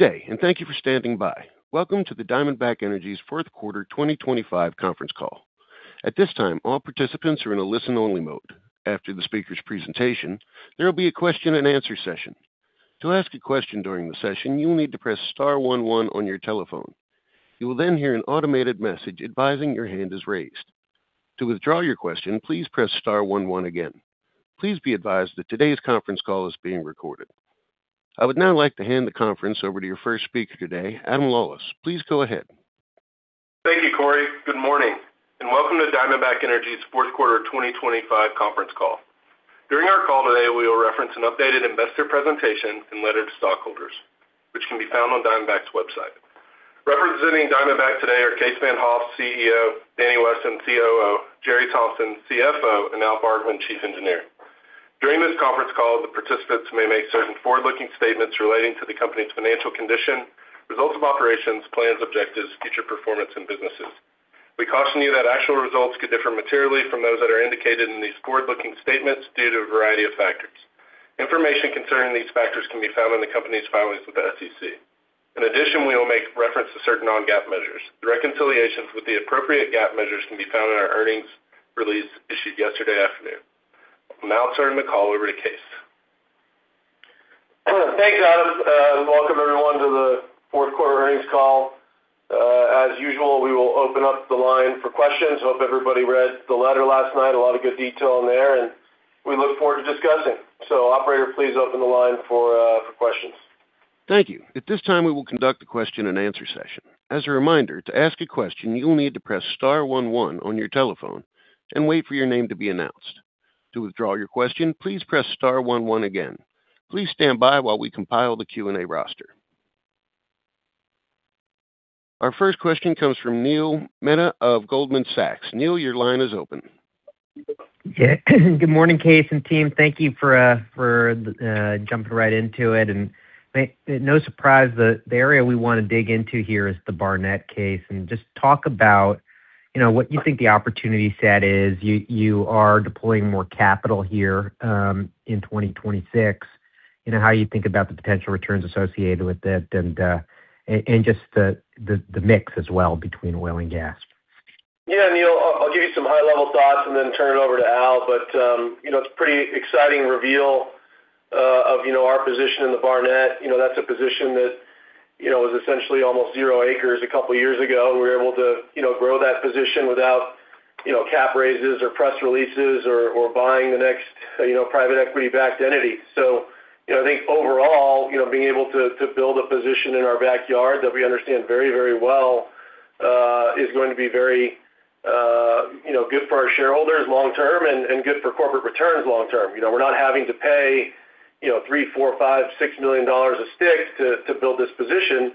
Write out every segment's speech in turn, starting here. Good day, and thank you for standing by. Welcome to the Diamondback Energy's fourth quarter 2025 conference call. At this time, all participants are in a listen-only mode. After the speaker's presentation, there will be a question-and-answer session. To ask a question during the session, you will need to press star one one on your telephone. You will then hear an automated message advising your hand is raised. To withdraw your question, please press star one one again. Please be advised that today's conference call is being recorded. I would now like to hand the conference over to your first speaker today, Adam Lawlis. Please go ahead. Thank you, Corey. Good morning, and welcome to Diamondback Energy's fourth quarter 2025 conference call. During our call today, we will reference an updated investor presentation and letter to stockholders, which can be found on Diamondback's website. Representing Diamondback today are Kaes Van't Hof, CEO; Danny Wesson, COO; Jere Thompson, CFO, and Al Barkmann, Chief Engineer. During this conference call, the participants may make certain forward-looking statements relating to the company's financial condition, results of operations, plans, objectives, future performance, and businesses. We caution you that actual results could differ materially from those that are indicated in these forward-looking statements due to a variety of factors. Information concerning these factors can be found in the company's filings with the SEC. In addition, we will make reference to certain non-GAAP measures. The reconciliations with the appropriate GAAP measures can be found in our earnings release issued yesterday afternoon. I'll now turn the call over to Kaes. Thanks, Adam, welcome everyone, to the fourth quarter earnings call. As usual, we will open up the line for questions. Hope everybody read the letter last night. A lot of good detail in there, and we look forward to discussing. Operator, please open the line for questions. Thank you. At this time, we will conduct a question-and-answer session. As a reminder, to ask a question, you will need to press star one one on your telephone and wait for your name to be announced. To withdraw your question, please press star one one again. Please stand by while we compile the Q&A roster. Our first question comes from Neil Mehta of Goldman Sachs. Neil, your line is open. Yeah, good morning, Kaes and team. Thank you for jumping right into it. No surprise that the area we want to dig into here is the Barnett, Kaes, and just talk about, you know, what you think the opportunity set is. You are deploying more capital here in 2026. You know, how you think about the potential returns associated with it and just the mix as well between oil and gas. Yeah, Neil, I'll give you some high-level thoughts and then turn it over to Al. You know, it's a pretty exciting reveal of, you know, our position in the Barnett. You know, that's a position that, you know, was essentially almost zero acres a couple of years ago. We were able to, you know, grow that position without, you know, cap raises or press releases or buying the next, you know, private equity-backed entity. You know, I think overall, you know, being able to build a position in our backyard that we understand very, very well, is going to be very, you know, good for our shareholders long term and good for corporate returns long term. You know, we're not having to pay, you know, $3 million, $4 million, $5 million, $6 million a stick to build this position.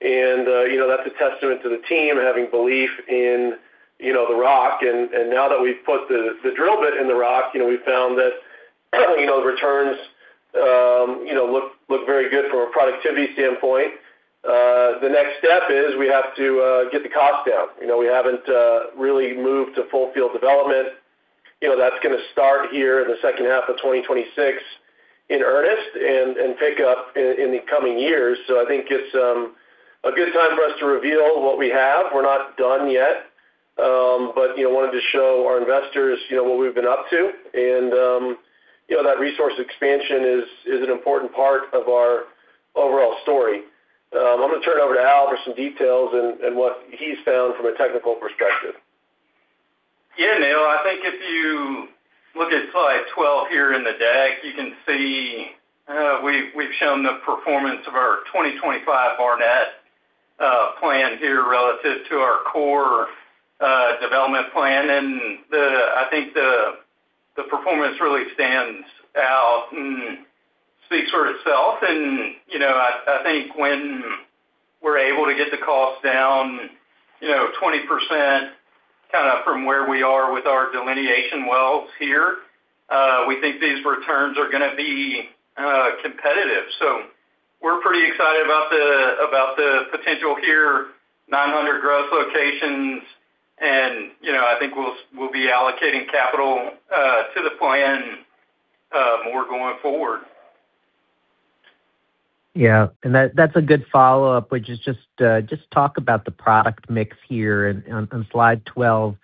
You know, that's a testament to the team having belief in, you know, the rock. Now that we've put the drill bit in the rock, you know, we found that, you know, the returns, you know, look very good from a productivity standpoint. The next step is we have to get the cost down. You know, we haven't really moved to full field development. You know, that's gonna start here in the second half of 2026 in earnest and pick up in the coming years. I think it's a good time for us to reveal what we have. We're not done yet, but, you know, wanted to show our investors, you know, what we've been up to. You know, that resource expansion is an important part of our overall story. I'm gonna turn it over to Al for some details and what he's found from a technical perspective. Yeah, Neil, I think if you look at Slide 12 here in the deck, you can see, we've shown the performance of our 2025 Barnett plan here relative to our core development plan. The, I think the performance really stands out and speaks for itself. You know, I think when we're able to get the cost down, you know, 20%, kind of from where we are with our delineation wells here, we think these returns are gonna be competitive. We're pretty excited about the potential here, 900 gross locations. You know, I think we'll be allocating capital to the plan more going forward. Yeah, that's a good follow-up, which is just talk about the product mix here. On slide 12,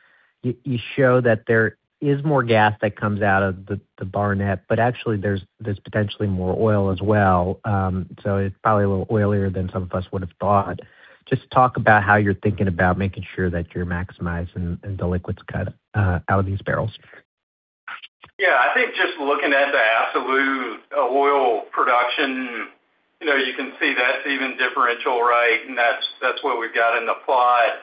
you show that there is more gas that comes out of the Barnett, but actually there's potentially more oil as well. It's probably a little oilier than some of us would have thought. Just talk about how you're thinking about making sure that you're maximizing the liquids cut out of these barrels. Yeah, I think just looking at the absolute oil production, you know, you can see that's even differential, right? That's what we've got in the plot.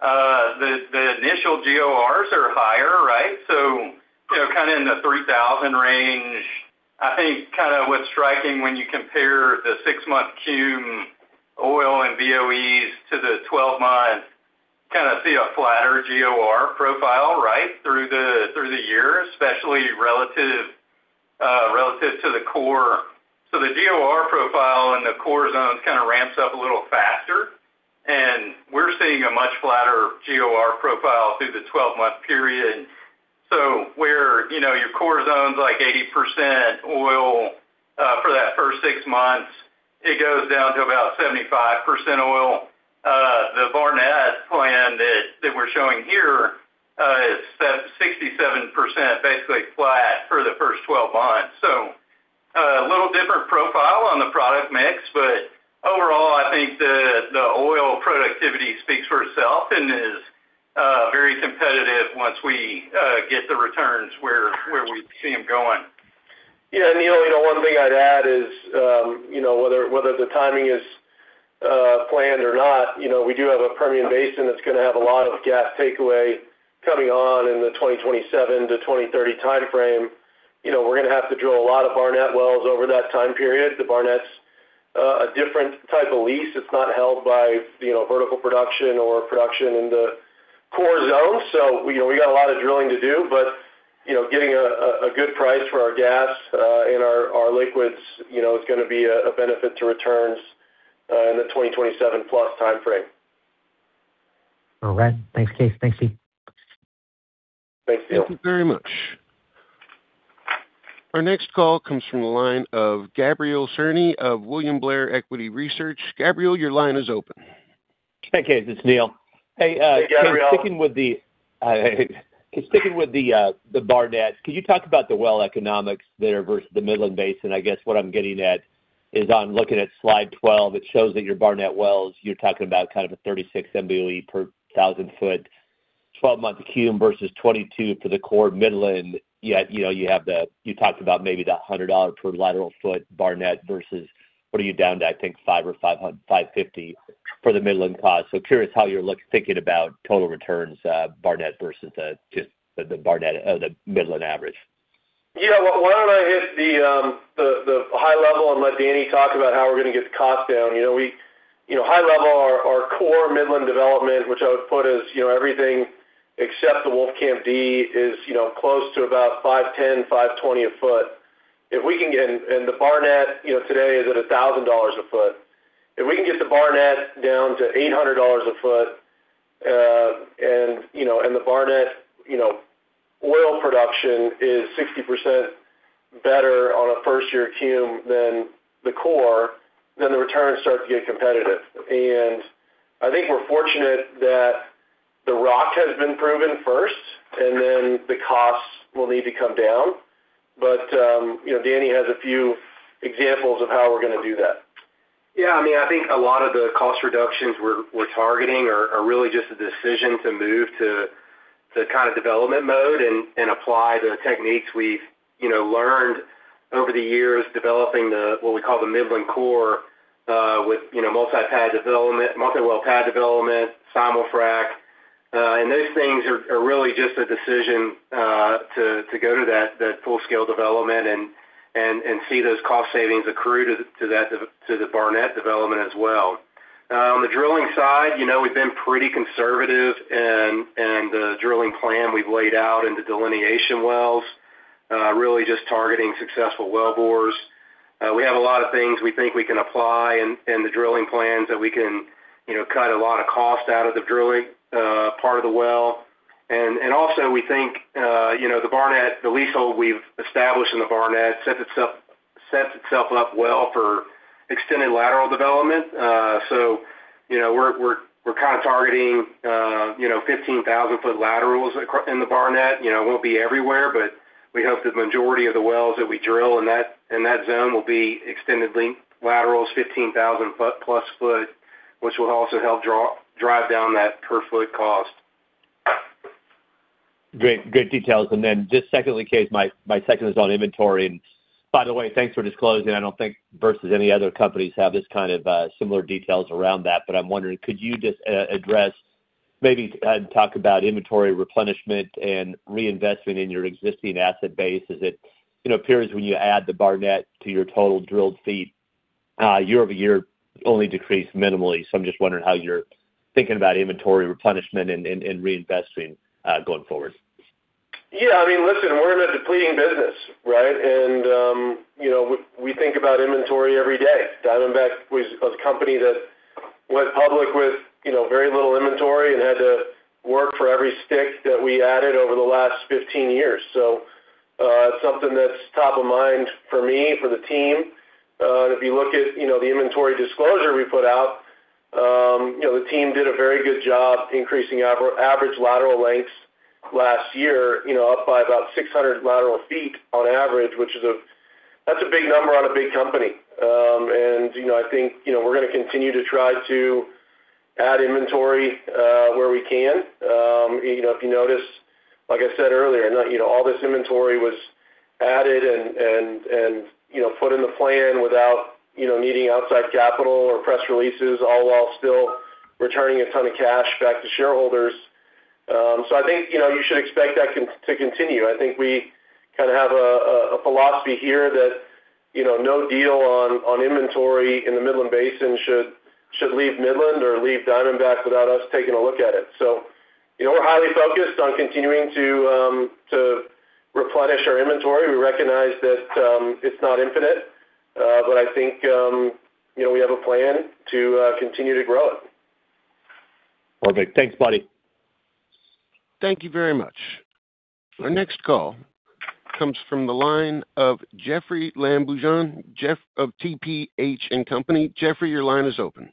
The initial GORs are higher, right? You know, kind of in the 3,000 range. I think kind of what's striking when you compare the six-month cume oil and BOEs to the 12-month, kind of see a flatter GOR profile, right? Through the year, especially relative to the core. The GOR profile in the core zones kind of ramps up a little faster, and we're seeing a much flatter GOR profile through the 12-month period. Core zones like 80% oil, for that 1st six months, it goes down to about 75% oil. The Barnett plan that we're showing here, is set 67%, basically flat for the 1st 12 months. A little different profile on the product mix, but overall, I think the oil productivity speaks for itself and is very competitive once we get the returns where we see them going. Yeah, Neil, you know, one thing I'd add is, you know, whether the timing is planned or not, you know, we do have a Permian Basin that's gonna have a lot of gas takeaway coming on in the 2027-2030 time frame. You know, we're gonna have to drill a lot of Barnett wells over that time period. The Barnett's a different type of lease. It's not held by, you know, vertical production or production in the core zone. You know, we got a lot of drilling to do, but, you know, getting a good price for our gas and our liquids, you know, is gonna be a benefit to returns in the 2027+ time frame. All right. Thanks, Kaes. Thanks, Danny. Thanks, Neil. Thank you very much. Our next call comes from the line of Gabrielle Cerny of William Blair Equity Research. Gabrielle, your line is open. Hey, Kaes, it's Neil. Hey, Gabrielle. Hey, sticking with the Barnett, can you talk about the well economics there versus the Midland Basin? I guess what I'm getting at is, I'm looking at Slide 12, it shows that your Barnett wells, you're talking about kind of a 36 MBOE per 1,000 foot, 12-month CUM versus 22 for the core Midland, yet, you know, you talked about maybe that $100 per lateral foot Barnett versus what are you down to? I think $550 for the Midland cost. Curious how you're thinking about total returns, Barnett versus the Midland average. Why don't I hit the high level and let Danny talk about how we're gonna get the cost down? You know, we, you know, high level, our core Midland development, which I would put as, you know, everything except the Wolfcamp D, is, you know, close to about $5.10-$5.20 a foot. If we can get. The Barnett, you know, today is at $1,000 a foot. If we can get the Barnett down to $800 a foot, and, you know, the Barnett, you know, oil production is 60% better on a first year CUM than the core, then the returns start to get competitive. I think we're fortunate that the rock has been proven first, and then the costs will need to come down. You know, Danny has a few examples of how we're gonna do that. Yeah, I mean, I think a lot of the cost reductions we're targeting are really just a decision to move to kind of development mode and apply the techniques we've, you know, learned over the years, developing the what we call the Midland core, with, you know, multi-pad development, multi-well pad development, simul-frac. Those things are really just a decision to go to that full-scale development and see those cost savings accrue to that, to the Barnett development as well. On the drilling side, you know, we've been pretty conservative in the drilling plan we've laid out in the delineation wells, really just targeting successful wellbores. We have a lot of things we think we can apply in the drilling plans that we can, you know, cut a lot of cost out of the drilling part of the well. Also we think, you know, the Barnett, the leasehold we've established in the Barnett sets itself up well for extended lateral development. We're kind of targeting, you know, 15,000 foot laterals in the Barnett. You know, it won't be everywhere, but we hope the majority of the wells that we drill in that, in that zone will be extended link laterals, 15,000 foot plus foot, which will also help drive down that per foot cost. Great. Good details. Just secondly, Kaes, my second is on inventory. By the way, thanks for disclosing. I don't think versus any other companies have this kind of similar details around that. I'm wondering, could you just address, maybe, talk about inventory replenishment and reinvestment in your existing asset base? Is it, you know, appears when you add the Barnett to your total drilled feet, year-over-year, only decreased minimally. I'm just wondering how you're thinking about inventory replenishment and reinvesting going forward. Yeah, I mean, listen, we're in a depleting business, right? You know, we think about inventory every day. Diamondback was a company that went public with, you know, very little inventory and had to work for every stick that we added over the last 15 years. Something that's top of mind for me, for the team. If you look at, you know, the inventory disclosure we put out, you know, the team did a very good job increasing our average lateral lengths last year, you know, up by about 600 lateral feet on average, which that's a big number on a big company. You know, I think, you know, we're gonna continue to try to add inventory where we can. You know, if you notice, like I said earlier, you know, all this inventory was added and, you know, put in the plan without, you know, needing outside capital or press releases, all while still returning a ton of cash back to shareholders. I think, you know, you should expect that to continue. I think we kind of have a philosophy here that, you know, no deal on inventory in the Midland Basin should leave Midland or leave Diamondback without us taking a look at it. You know, we're highly focused on continuing to replenish our inventory. We recognize that it's not infinite, but I think, you know, we have a plan to continue to grow it. Perfect. Thanks, buddy. Thank you very much. Our next call comes from the line of Jeoffrey Lambujon, Jeff of TPH & Co. Jeoffrey, your line is open.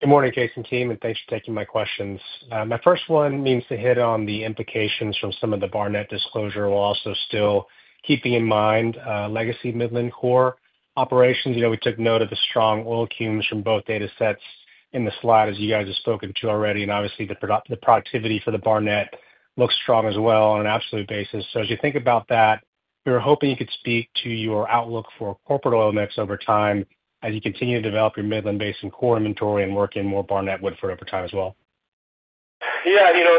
Good morning, Kaes and team, and thanks for taking my questions. My first one means to hit on the implications from some of the Barnett disclosure, while also still keeping in mind, legacy Midland Basin core operations. You know, we took note of the strong oil cumes from both data sets in the slide, as you guys have spoken to already, and obviously, the productivity for the Barnett looks strong as well on an absolute basis. As you think about that, we were hoping you could speak to your outlook for corporate oil mix over time as you continue to develop your Midland Basin core inventory and work in more Barnett Woodford over time as well. you know,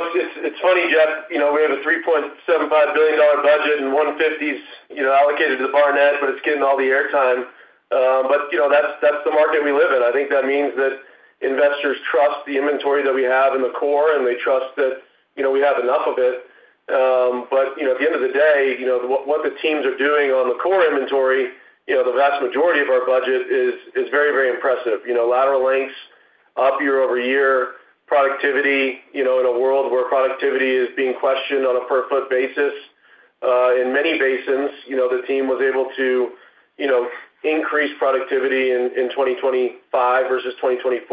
it's funny, Jeff, you know, we have a $3.75 billion budget, and $150 is, you know, allocated to the Barnett, but it's getting all the airtime. you know, that's the market we live in. I think that means that investors trust the inventory that we have in the core, and they trust that, you know, we have enough of it. you know, at the end of the day, you know, what the teams are doing on the core inventory, you know, the vast majority of our budget is very impressive. You know, lateral lengths, up year-over-year, productivity, you know, in a world where productivity is being questioned on a per foot basis. In many basins, you know, the team was able to, you know, increase productivity in 2025 versus 2024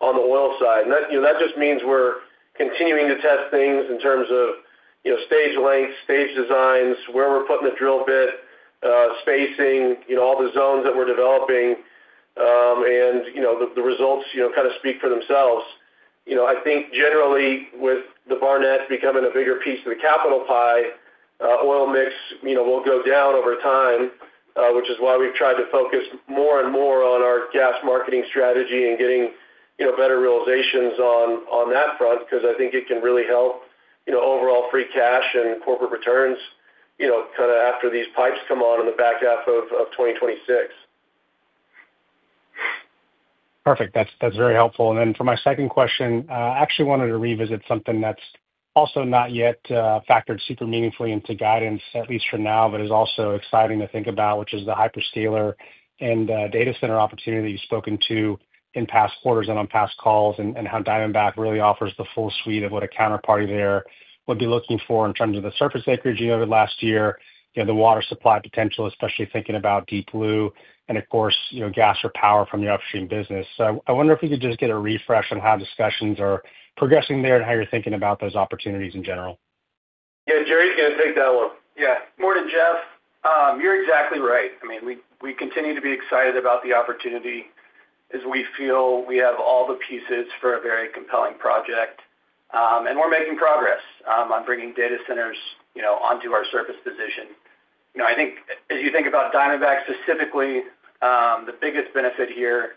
on the oil side. That, you know, that just means we're continuing to test things in terms of, you know, stage lengths, stage designs, where we're putting the drill bit, spacing, you know, all the zones that we're developing. You know, the results, you know, kind of speak for themselves. You know, I think generally, with the Barnett becoming a bigger piece of the capital pie, oil mix, you know, will go down over time, which is why we've tried to focus more and more on our gas marketing strategy and getting, you know, better realizations on that front, because I think it can really help, you know, overall free cash and corporate returns, you know, kinda after these pipes come on in the back half of 2026. Perfect. That's very helpful. For my second question, I actually wanted to revisit something that's also not yet factored super meaningfully into guidance, at least for now, but is also exciting to think about, which is the hyperscaler and data center opportunity you've spoken to in past quarters and on past calls, and how Diamondback really offers the full suite of what a counterparty there would be looking for in terms of the surface acreage you over last year, you know, the water supply potential, especially thinking about Deep Blue and of course, you know, gas or power from the upstream business. I wonder if we could just get a refresh on how discussions are progressing there and how you're thinking about those opportunities in general. Yeah, Jere, yeah, take that one. Yeah. Morning, Jeff. You're exactly right. I mean, we continue to be excited about the opportunity as we feel we have all the pieces for a very compelling project. We're making progress on bringing data centers, you know, onto our surface position. You know, I think as you think about Diamondback specifically, the biggest benefit here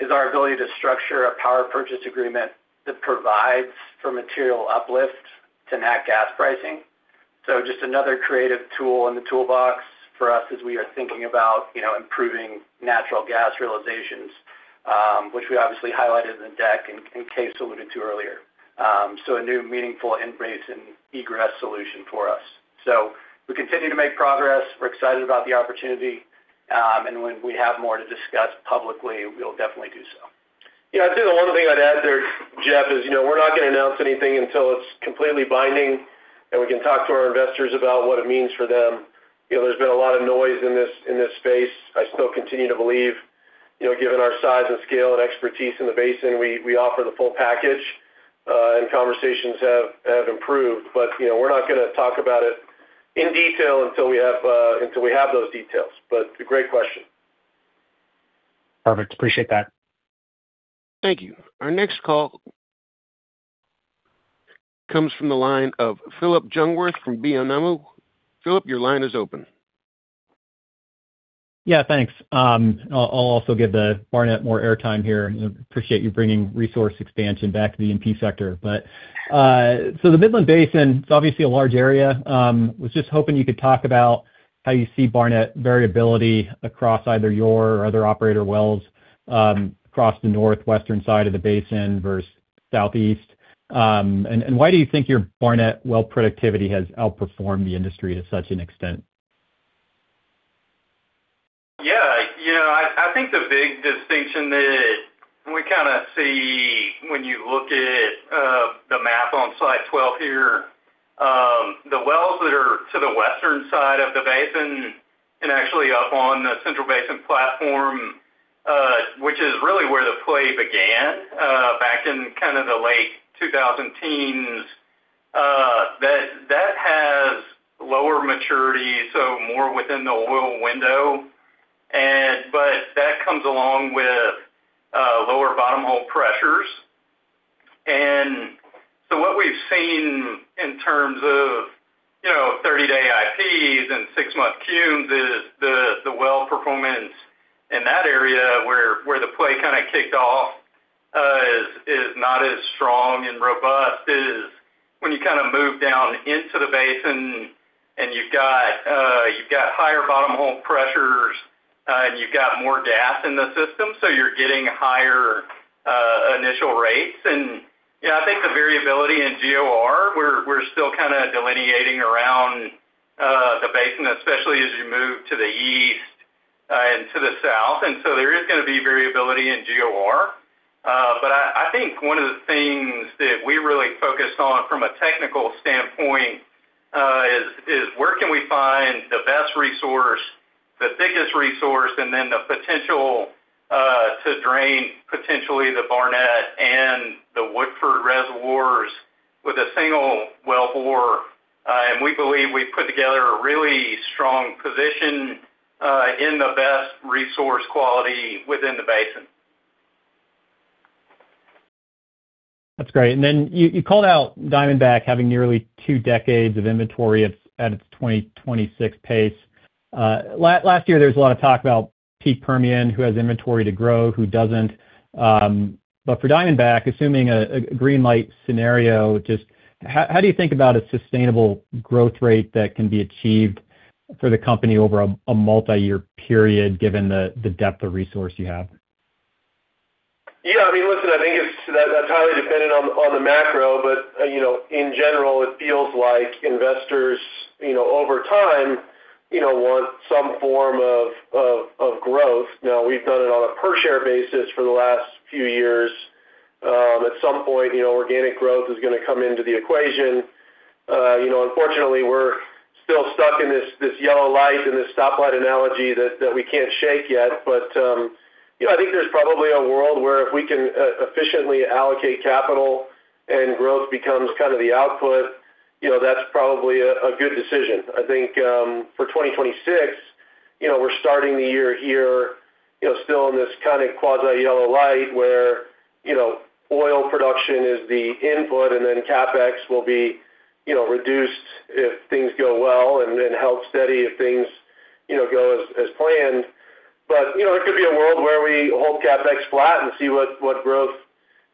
is our ability to structure a power purchase agreement that provides for material uplift to nat gas pricing. Just another creative tool in the toolbox for us as we are thinking about, you know, improving natural gas realizations, which we obviously highlighted in the deck and Kaes alluded to earlier. A new meaningful in-basin and egress solution for us. We continue to make progress. We're excited about the opportunity, and when we have more to discuss publicly, we'll definitely do so. I'd say the only thing I'd add there, Jeff, is, you know, we're not gonna announce anything until it's completely binding, and we can talk to our investors about what it means for them. You know, there's been a lot of noise in this, in this space. I still continue to believe, you know, given our size and scale and expertise in the basin, we offer the full package, and conversations have improved. You know, we're not gonna talk about it in detail until we have, until we have those details. A great question. Perfect. Appreciate that. Thank you. Our next call comes from the line of Phillip Jungwirth from BMO. Phillip, your line is open. Yeah, thanks. I'll also give the Barnett more airtime here. Appreciate you bringing resource expansion back to the E&P sector. The Midland Basin, it's obviously a large area. Was just hoping you could talk about how you see Barnett variability across either your or other operator wells, across the northwestern side of the basin versus southeast. And why do you think your Barnett well productivity has outperformed the industry to such an extent? Yeah, you know, I think the big distinction that we kinda see when you look at the map on Slide 12 here, the wells that are to the western side of the basin and actually up on the Central Basin Platform, which is really where the play began, back in kind of the late 2010s, that has lower maturity, so more within the oil window. That comes along with lower bottom hole pressures. What we've seen in terms of, you know, 30-day IPs and six-month cumes is the well performance in that area where the play kinda kicked off, is not as strong and robust as when you kind of move down into the basin and you've got higher bottom hole pressures, and you've got more gas in the system, you're getting higher initial rates. we're still kind of delineating around, the basin, especially as you move to the east, and to the south. So there is gonna be variability in GOR. But I think one of the things that we really focused on from a technical standpoint, is where can we find the best resource, the thickest resource, and then the potential, to drain potentially the Barnett and the Woodford reservoirs with a single wellbore. We believe we've put together a really strong position, in the best resource quality within the basin. That's great. You called out Diamondback having nearly two decades of inventory at its 2026 pace. last year, there was a lot of talk about peak Permian, who has inventory to grow, who doesn't. For Diamondback, assuming a green light scenario, just how do you think about a sustainable growth rate that can be achieved for the company over a multiyear period, given the depth of resource you have? I mean, listen, I think that's highly dependent on the macro. You know, in general, it feels like investors, you know, over time, you know, want some form of growth. We've done it on a per share basis for the last few years. At some point, you know, organic growth is gonna come into the equation. You know, unfortunately, we're still stuck in this yellow light, in this stoplight analogy that we can't shake yet. You know, I think there's probably a world where if we can efficiently allocate capital and growth becomes kind of the output, you know, that's probably a good decision. I think, for 2026, you know, we're starting the year here, you know, still in this kind of quasi yellow light, where, you know, oil production is the input, and then CapEx will be, you know, reduced if things go well, and then held steady if things, you know, go as planned. There could be a world where we hold CapEx flat and see what growth,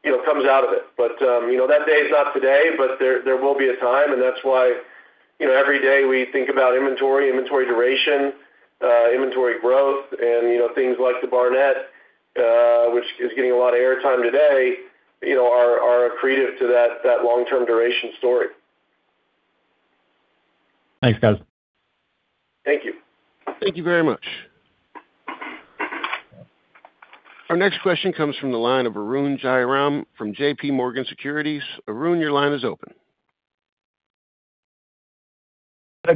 you know, comes out of it. That day is not today, but there will be a time, and that's why, you know, every day we think about inventory duration, inventory growth, and, you know, things like the Barnett, which is getting a lot of airtime today, you know, are accretive to that long-term duration story. Thanks, Kaes. Thank you. Thank you very much. Our next question comes from the line of Arun Jayaram from J.P. Morgan Securities. Arun, your line is open.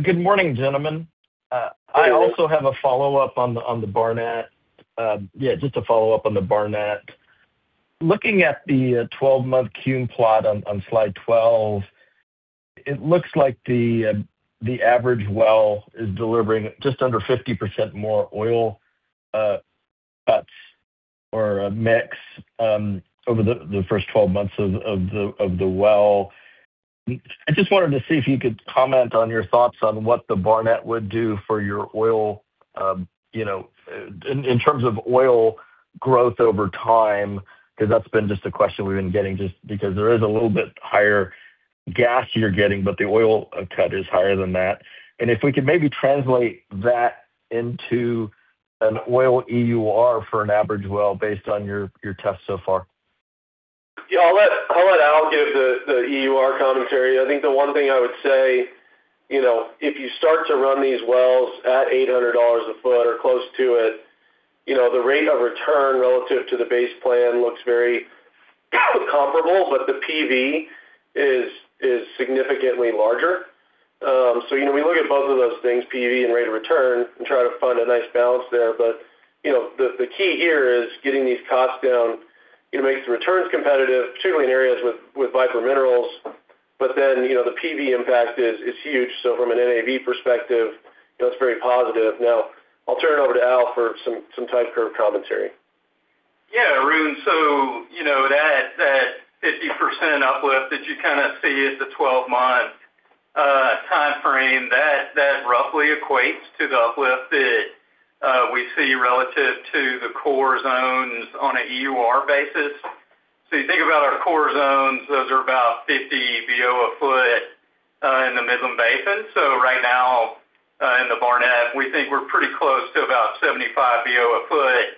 Good morning, gentlemen. I also have a follow-up on the Barnett. Yeah, just to follow up on the Barnett. Looking at the 12-month cum plot on Slide 12, it looks like the average well is delivering just under 50% more oil, cuts or mix, over the first 12 months of the well. I just wanted to see if you could comment on your thoughts on what the Barnett would do for your oil, you know, in terms of oil growth over time, 'cause that's been just a question we've been getting, just because there is a little bit higher gas you're getting, but the oil cut is higher than that. If we could maybe translate that into an oil EUR for an average well based on your tests so far. Yeah, I'll let Al give the EUR commentary. I think the one thing I would say, you know, if you start to run these wells at $800 a foot or close to it, you know, the rate of return relative to the base plan looks very comparable, but the PV is significantly larger. You know, we look at both of those things, PV and rate of return, and try to find a nice balance there. You know, the key here is getting these costs down. It makes the returns competitive, particularly in areas with Viper minerals, but then, you know, the PV impact is huge. From an NAV perspective, that's very positive. Now, I'll turn it over to Al for some type curve commentary. Yeah, Arun, you know, that 50% uplift that you kind of see at the 12-month timeframe, that roughly equates to the uplift that we see relative to the core zones on a EUR basis. You think about our core zones, those are about 50 BO a foot in the Midland Basin. Right now, in the Barnett, we think we're pretty close to about 75 BO a foot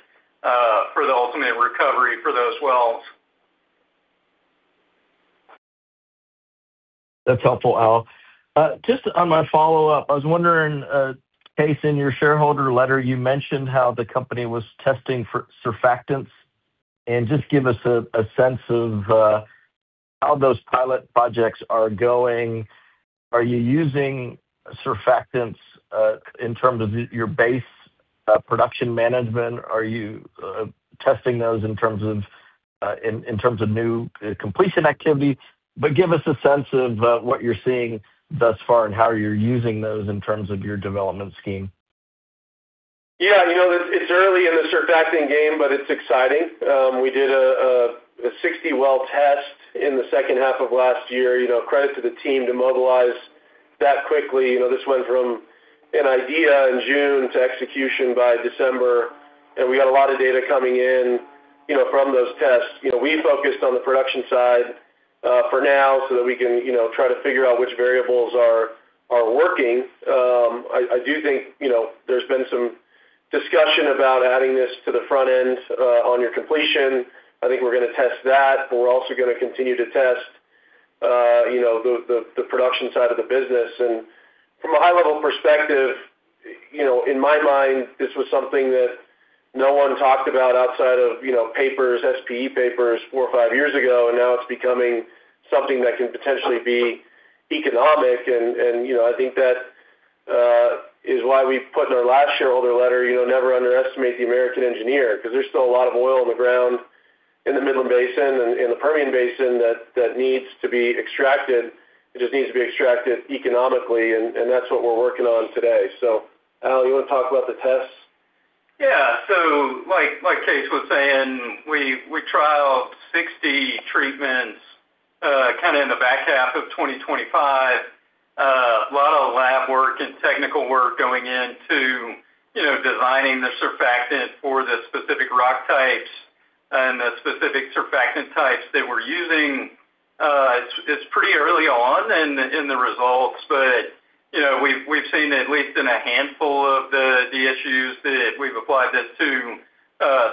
for the ultimate recovery for those wells. That's helpful, Al. Just on my follow-up, I was wondering, Kaes, in your shareholder letter, you mentioned how the company was testing for surfactants. Just give us a sense of how those pilot projects are going? Are you using surfactants in terms of your base production management? Are you testing those in terms of new completion activities? Give us a sense of what you're seeing thus far and how you're using those in terms of your development scheme? Yeah, you know, it's early in the surfactant game, but it's exciting. We did a 60-well test in the second half of last year. You know, credit to the team to mobilize that quickly. You know, this went from an idea in June to execution by December, and we got a lot of data coming in, you know, from those tests. You know, we focused on the production side for now, so that we can, you know, try to figure out which variables are working. I do think, you know, there's been some discussion about adding this to the front end on your completion. I think we're gonna test that, but we're also gonna continue to test, you know, the production side of the business. From a high-level perspective, you know, in my mind, this was something that no one talked about outside of, you know, papers, SPE papers four or five years ago, and now it's becoming something that can potentially be economic. I think that is why we put in our last shareholder letter, you know, never underestimate the American engineer, because there's still a lot of oil in the ground in the Midland Basin and in the Permian Basin that needs to be extracted. It just needs to be extracted economically, and that's what we're working on today. Al, you wanna talk about the tests? Yeah. Like, like Kaes was saying, we trialed 60 treatments, kinda in the back half of 2025. A lot of lab work and technical work going into, you know, designing the surfactant for the specific rock types and the specific surfactant types that we're using. It's, it's pretty early on in the results, but, you know, we've seen, at least in a handful of the DSU that we've applied this to,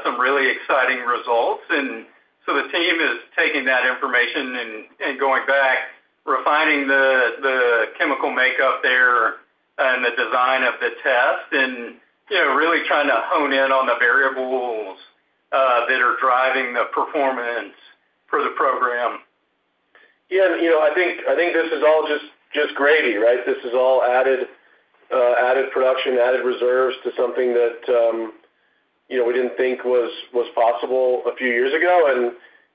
some really exciting results. The team is taking that information and going back, refining the chemical makeup there and the design of the test, and, you know, really trying to hone in on the variables that are driving the performance for the program. You know, I think this is all Grady, right? This is all added production, added reserves to something that, you know, we didn't think was possible a few years ago.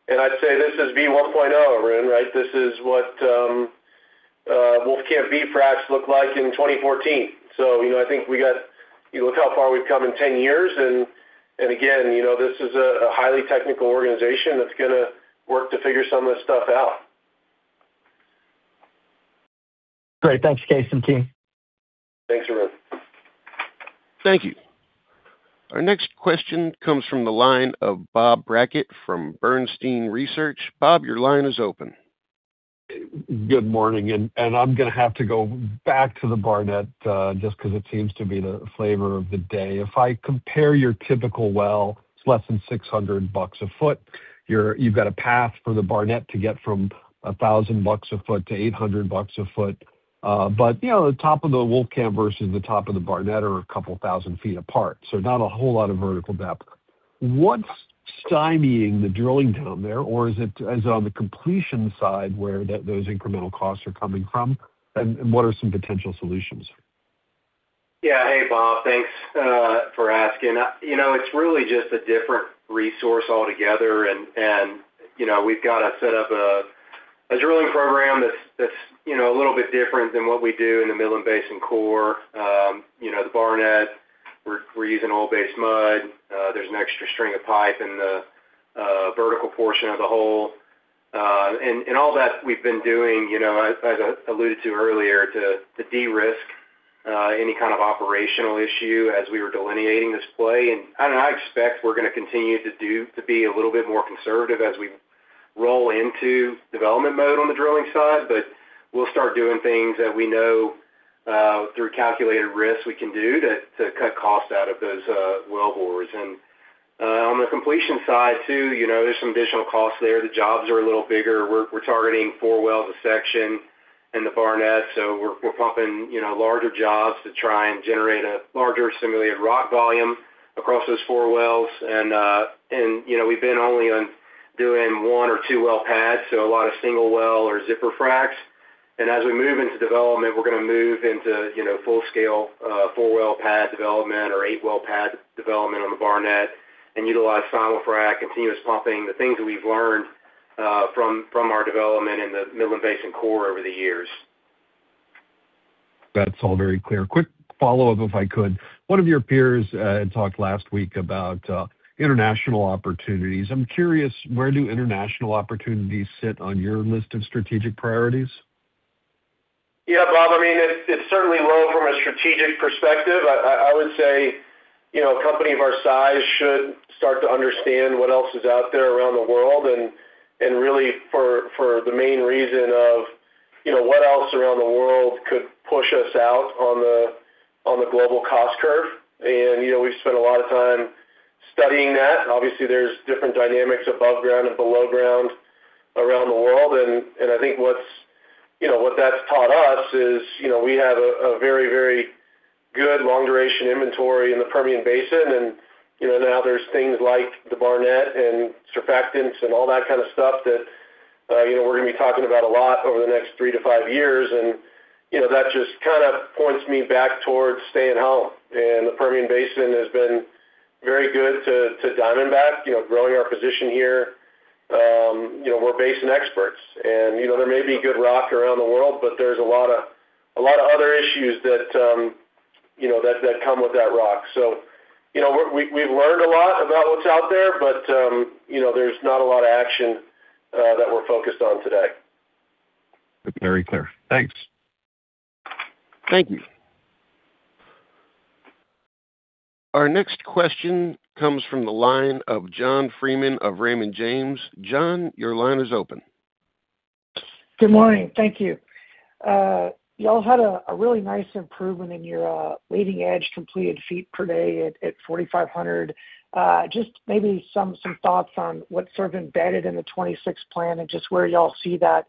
I'd say this is V 1.0, Arun, right? This is what Wolfcamp B fracs looked like in 2014. You look how far we've come in 10 years, and again, you know, this is a highly technical organization that's gonna work to figure some of this stuff out. Great. Thanks, Kaes and team. Thanks, Arun. Thank you. Our next question comes from the line of Bob Brackett from Bernstein Research. Bob, your line is open. Good morning, I'm gonna have to go back to the Barnett, just because it seems to be the flavor of the day. If I compare your typical well, it's less than $600 a foot. You've got a path for the Barnett to get from $1,000 a foot to $800 a foot. You know, the top of the Wolfcamp versus the top of the Barnett are a couple thousand feet apart, so not a whole lot of vertical depth. What's stymieing the drilling down there? Is it on the completion side, where those incremental costs are coming from? What are some potential solutions? Yeah. Hey, Bob, thanks for asking. You know, it's really just a different resource altogether, and, you know, we've got to set up a drilling program that's, you know, a little bit different than what we do in the Midland Basin core. You know, the Barnett, we're using oil-based mud. There's an extra string of pipe in the vertical portion of the hole. And all that we've been doing, you know, as I alluded to earlier, to de-risk any kind of operational issue as we were delineating this play. I don't know, I expect we're gonna continue to be a little bit more conservative as we roll into development mode on the drilling side, but we'll start doing things that we know, through calculated risks we can do to cut costs out of those wellbores. On the completion side, too, you know, there's some additional costs there. The jobs are a little bigger. We're targeting four wells a section in the Barnett, so we're pumping, you know, larger jobs to try and generate a larger simulated rock volume across those four wells. You know, we've been only on doing one or two well pads, so a lot of single well or zipper fracs. As we move into development, we're gonna move into, you know, full scale, four well pad development or eight well pad development on the Barnett and utilize simul-frac, continuous pumping, the things that we've learned from our development in the Midland Basin core over the years. That's all very clear. Quick follow-up, if I could. One of your peers talked last week about international opportunities. I'm curious, where do international opportunities sit on your list of strategic priorities? Yeah, Bob, I mean, it's certainly low from a strategic perspective. I would say, you know, a company of our size should start to understand what else is out there around the world, and really, for the main reason of, you know, what else around the world could push us out on the, on the global cost curve. You know, we've spent a lot of time studying that. Obviously, there's different dynamics above ground and below ground around the world. I think what's, you know, what that's taught us is, you know, we have a very, very good long-duration inventory in the Permian Basin. You know, now there's things like the Barnett and surfactants and all that kind of stuff that, uh, you know, we're gonna be talking about a lot over the next three to five years. You know, that just kind of points me back towards staying home. The Permian Basin has been very good to Diamondback, you know, growing our position here. You know, we're basin experts, you know, there may be good rock around the world, but there's a lot of, a lot of other issues that, you know, that come with that rock. You know, we've learned a lot about what's out there, but, you know, there's not a lot of action that we're focused on today. Very clear. Thanks. Thank you. Our next question comes from the line of John Freeman of Raymond James. John, your line is open. Good morning. Thank you. You all had a really nice improvement in your leading edge completed feet per day at 4,500. Just maybe some thoughts on what's sort of embedded in the 2026 plan and just where you all see that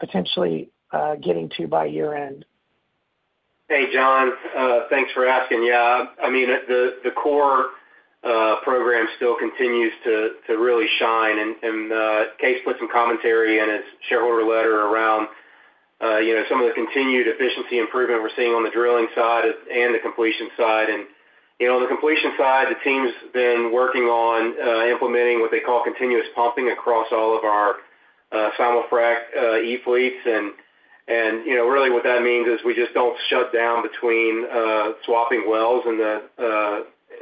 potentially getting to by year-end? Hey, John, thanks for asking. Yeah, I mean, the core program still continues to really shine, and Kaes put some commentary in his shareholder letter around, you know, some of the continued efficiency improvement we're seeing on the drilling side and the completion side. You know, on the completion side, the team's been working on implementing what they call continuous pumping across all of our simul-frac e-fleets. You know, really what that means is we just don't shut down between swapping wells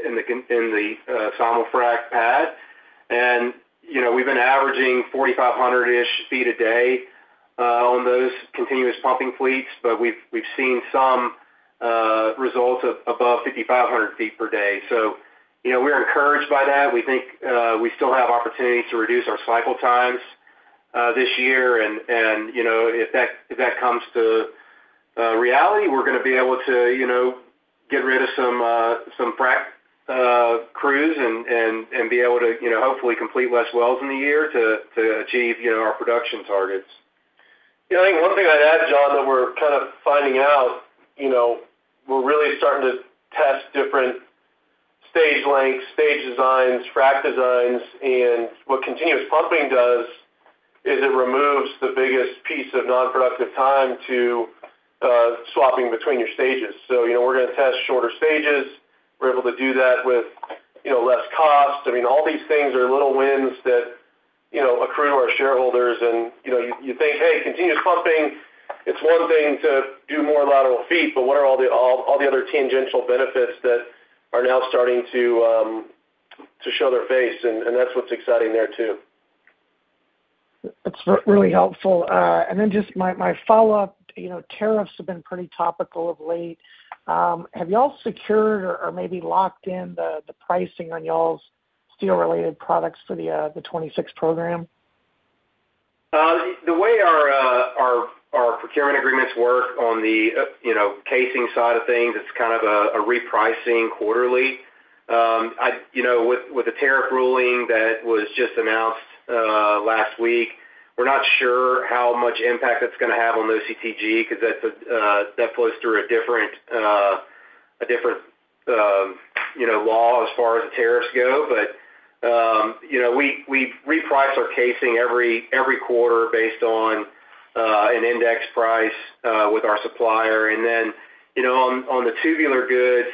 in the simul-frac pad. You know, we've been averaging 4,500-ish feet a day on those continuous pumping fleets, but we've seen some results of above 5,500 feet per day. You know, we're encouraged by that. We think, we still have opportunities to reduce our cycle times this year. You know, if that comes to reality, we're gonna be able to, you know, get rid of some frac crews and be able to, you know, hopefully complete less wells in the year to achieve, you know, our production targets. You know, I think one thing I'd add, John, that we're kind of finding out, you know, we're really starting to test different stage lengths, stage designs, frac designs, and what continuous pumping does is it removes the biggest piece of non-productive time to swapping between your stages. You know, we're gonna test shorter stages. We're able to do that with, you know, less cost. I mean, all these things are little wins that, you know, accrue to our shareholders. You know, you think, hey, continuous pumping, it's one thing to do more lateral feet, but what are all the other tangential benefits that are now starting to show their face? That's what's exciting there too. That's really helpful. Then just my follow-up, you know, tariffs have been pretty topical of late. Have you all secured or maybe locked in the pricing on y'all's steel-related products for the 26 program? The way our, our procurement agreements work on the, you know, casing side of things, it's kind of a repricing quarterly. You know, with the tariff ruling that was just announced last week, we're not sure how much impact that's gonna have on the CTG, because that's, that flows through a different, a different, you know, law as far as the tariffs go. You know, we reprice our casing every quarter based on an index price with our supplier. You know, on the tubular goods,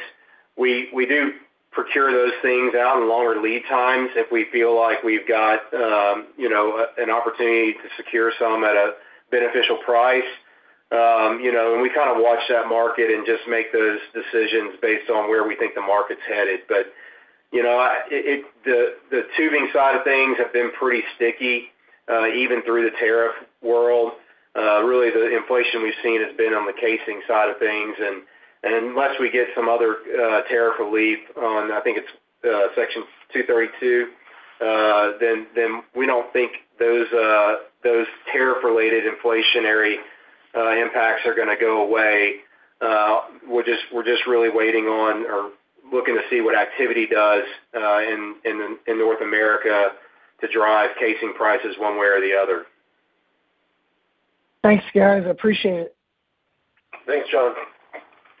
we do procure those things out in longer lead times if we feel like we've got, you know, an opportunity to secure some at a beneficial price. You know, we kind of watch that market and just make those decisions based on where we think the market's headed. You know, the tubing side of things have been pretty sticky even through the tariff world. Really, the inflation we've seen has been on the casing side of things. Unless we get some other tariff relief on, I think it's Section 232, then we don't think those tariff-related inflationary impacts are gonna go away. We're just really waiting on or looking to see what activity does in North America to drive casing prices one way or the other. Thanks, guys. I appreciate it. Thanks, John.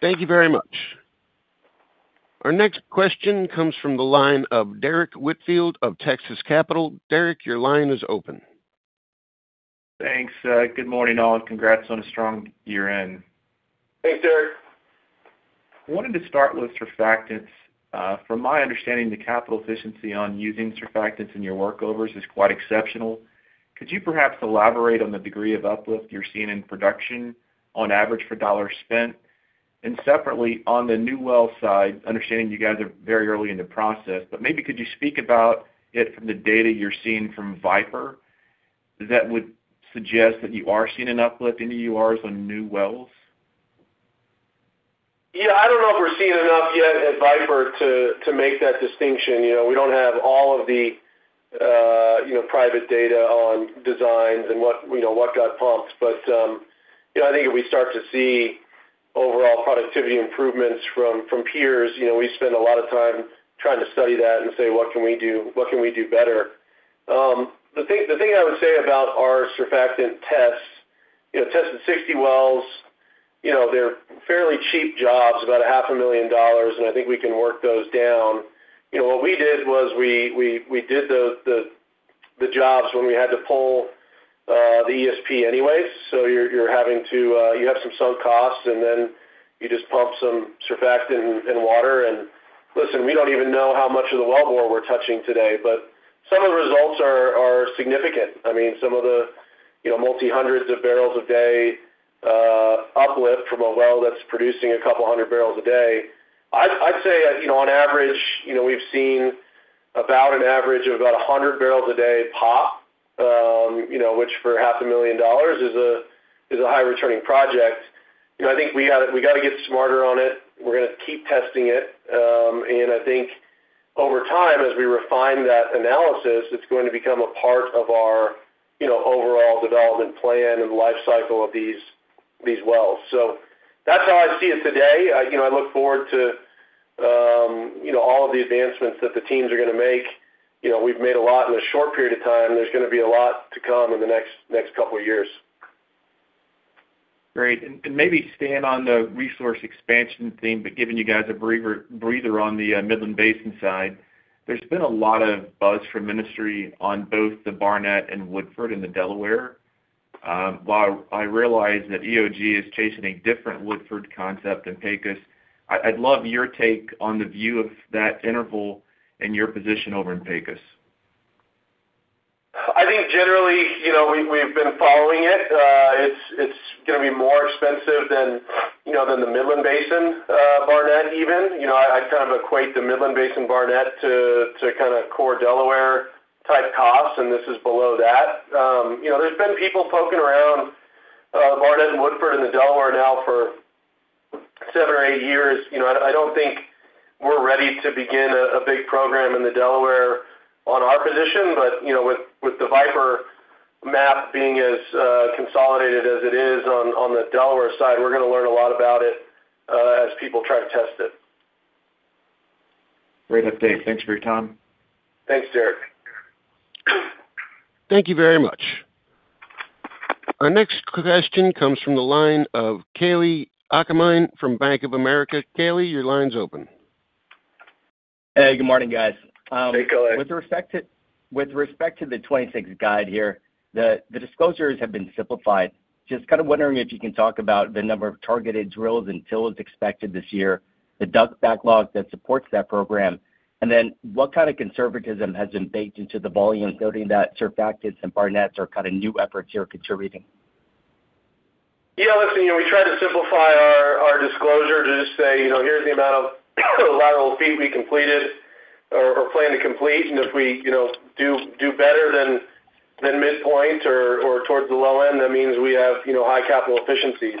Thank you very much. Our next question comes from the line of Derrick Whitfield of Texas Capital. Derrick, your line is open. Thanks. Good morning, all, and congrats on a strong year-end. Hey, Derrick. I wanted to start with surfactants. From my understanding, the capital efficiency on using surfactants in your workovers is quite exceptional. Could you perhaps elaborate on the degree of uplift you're seeing in production on average for dollars spent? Separately, on the new well side, understanding you guys are very early in the process, but maybe could you speak about it from the data you're seeing from Viper, that would suggest that you are seeing an uplift in the URAs on new wells? Yeah, I don't know if we're seeing enough yet at Viper to make that distinction. You know, we don't have all of the, you know, private data on designs and what, you know, what got pumped. You know, I think if we start to see overall productivity improvements from peers, you know, we spend a lot of time trying to study that and say: What can we do better? The thing I would say about our surfactant tests, you know, tested 60 wells, you know, they're fairly cheap jobs, about a half a million dollars, and I think we can work those down. You know, what we did was we did the jobs when we had to pull the ESP anyways. You're having to, you have some sunk costs, and then you just pump some surfactant and water. Listen, we don't even know how much of the wellbore we're touching today, but some of the results are significant. I mean, some of the, you know, multi-hundreds of barrels a day uplift from a well that's producing a couple hundred barrels a day. I'd say, you know, on average, you know, we've seen about an average of about 100 barrels a day pop, you know, which for half a million dollars is a high-returning project. You know, I think we gotta get smarter on it. We're gonna keep testing it. I think. Over time, as we refine that analysis, it's going to become a part of our, you know, overall development plan and life cycle of these wells. That's how I see it today. I, you know, I look forward to you know all of the advancements that the teams are gonna make. You know, we've made a lot in a short period of time. There's gonna be a lot to come in the next couple of years. Great. Maybe staying on the resource expansion theme, but giving you guys a breather on the Midland Basin side, there's been a lot of buzz from industry on both the Barnett and Woodford in the Delaware. While I realize that EOG is chasing a different Woodford concept in Pecos, I'd love your take on the view of that interval and your position over in Pecos. I think generally, you know, we've been following it. It's gonna be more expensive than, you know, than the Midland Basin, Barnett, even. You know, I kind of equate the Midland Basin Barnett to kinda core Delaware-type costs, this is below that. You know, there's been people poking around Barnett and Woodford and the Delaware now for seven or eight years. You know, I don't think we're ready to begin a big program in the Delaware on our position, you know, with the Viper map being as consolidated as it is on the Delaware side, we're gonna learn a lot about it as people try to test it. Great update. Thanks for your time. Thanks, Derrick. Thank you very much. Our next question comes from the line of Kalei Akamine from Bank of America. Kalei, your line's open. Hey, good morning, guys. Hey, Kalei. With respect to the 26 guide here, the disclosures have been simplified. Just kind of wondering if you can talk about the number of targeted drills and fills expected this year, the DUC backlog that supports that program, and then what kind of conservatism has been baked into the volume, noting that surfactants and Barnett are kind of new efforts here contributing? Listen, you know, we try to simplify our disclosure to just say, you know, here's the amount of lateral feet we completed or plan to complete. If we, you know, do better than midpoint or towards the low end, that means we have, you know, high capital efficiency.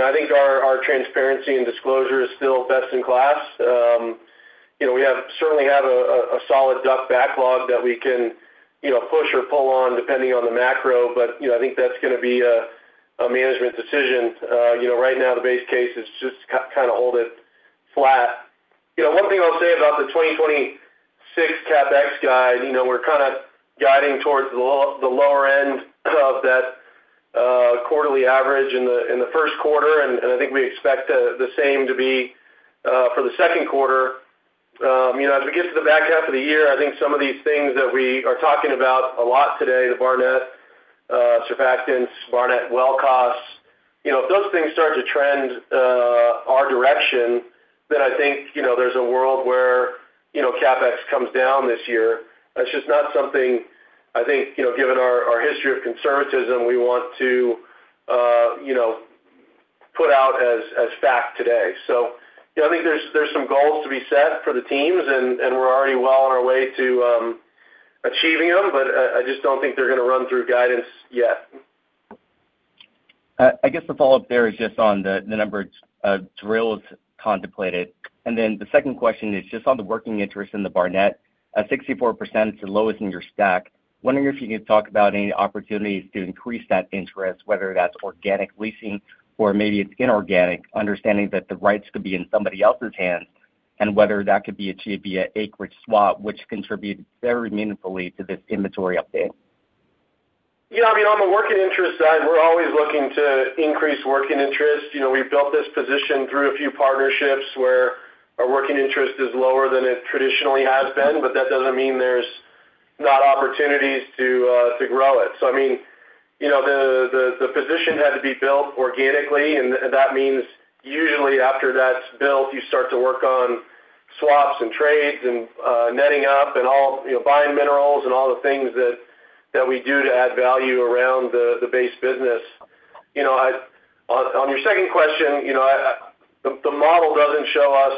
I think our transparency and disclosure is still best in class. You know, certainly have a solid DUC backlog that we can, you know, push or pull on, depending on the macro, I think that's gonna be a management decision. You know, right now, the base case is just kinda hold it flat. You know, one thing I'll say about the 2026 CapEx guide, you know, we're kind of guiding towards the lower end of that, quarterly average in the first quarter, and I think we expect the same to be for the second quarter. You know, as we get to the back half of the year, I think some of these things that we are talking about a lot today, the Barnett, surfactants, Barnett well costs, you know, if those things start to trend our direction, then I think, you know, there's a world where, you know, CapEx comes down this year. That's just not something I think, you know, given our history of conservatism, we want to, you know, put out as fact today. You know, I think there's some goals to be set for the teams, and we're already well on our way to achieving them, but I just don't think they're gonna run through guidance yet. I guess the follow-up there is just on the number of drills contemplated. The second question is just on the working interest in the Barnett, 64% is the lowest in your stack. Wondering if you could talk about any opportunities to increase that interest, whether that's organic leasing or maybe it's inorganic, understanding that the rights could be in somebody else's hands, and whether that could be achieved via acreage swap, which contributed very meaningfully to this inventory update? Yeah, I mean, on the working interest side, we're always looking to increase working interest. You know, we've built this position through a few partnerships where our working interest is lower than it traditionally has been, but that doesn't mean there's not opportunities to grow it. I mean, you know, the position had to be built organically, and that means usually after that's built, you start to work on swaps and trades and netting up and all. You know, buying minerals and all the things that we do to add value around the base business. You know, on your second question, you know, the model doesn't show us,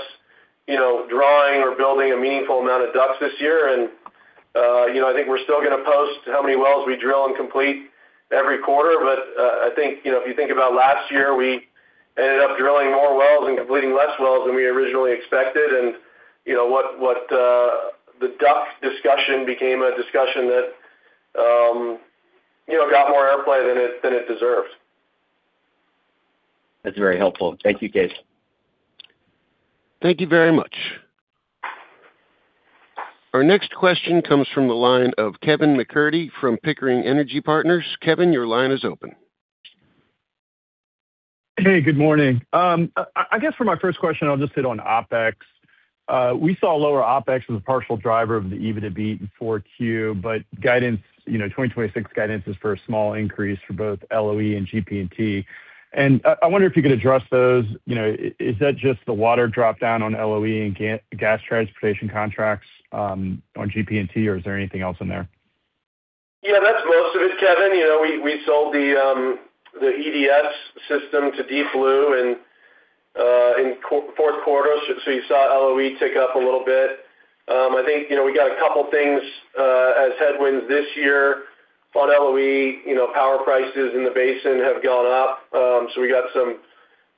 you know, drawing or building a meaningful amount of DUCs this year. You know, I think we're still gonna post how many wells we drill and complete every quarter. I think, you know, if you think about last year, we ended up drilling more wells and completing less wells than we originally expected. You know, what, the DUC discussion became a discussion that, you know, got more airplay than it deserves. That's very helpful. Thank you, Kaes. Thank you very much. Our next question comes from the line of Kevin MacCurdy from Pickering Energy Partners. Kevin, your line is open. Hey, good morning. I guess for my first question, I'll just hit on OpEx. We saw lower OpEx as a partial driver of the EBITDA beat in 4Q, but guidance, you know, 2026 guidance is for a small increase for both LOE and GP&T. I wonder if you could address those. You know, is that just the water drop down on LOE and gas transportation contracts on GP&T, or is there anything else in there? That's most of it, Kevin. You know, we sold the EDS system to Deep Blue in fourth quarter, so you saw LOE tick up a little bit. I think, you know, we got a couple things as headwinds this year on LOE. You know, power prices in the basin have gone up. We got some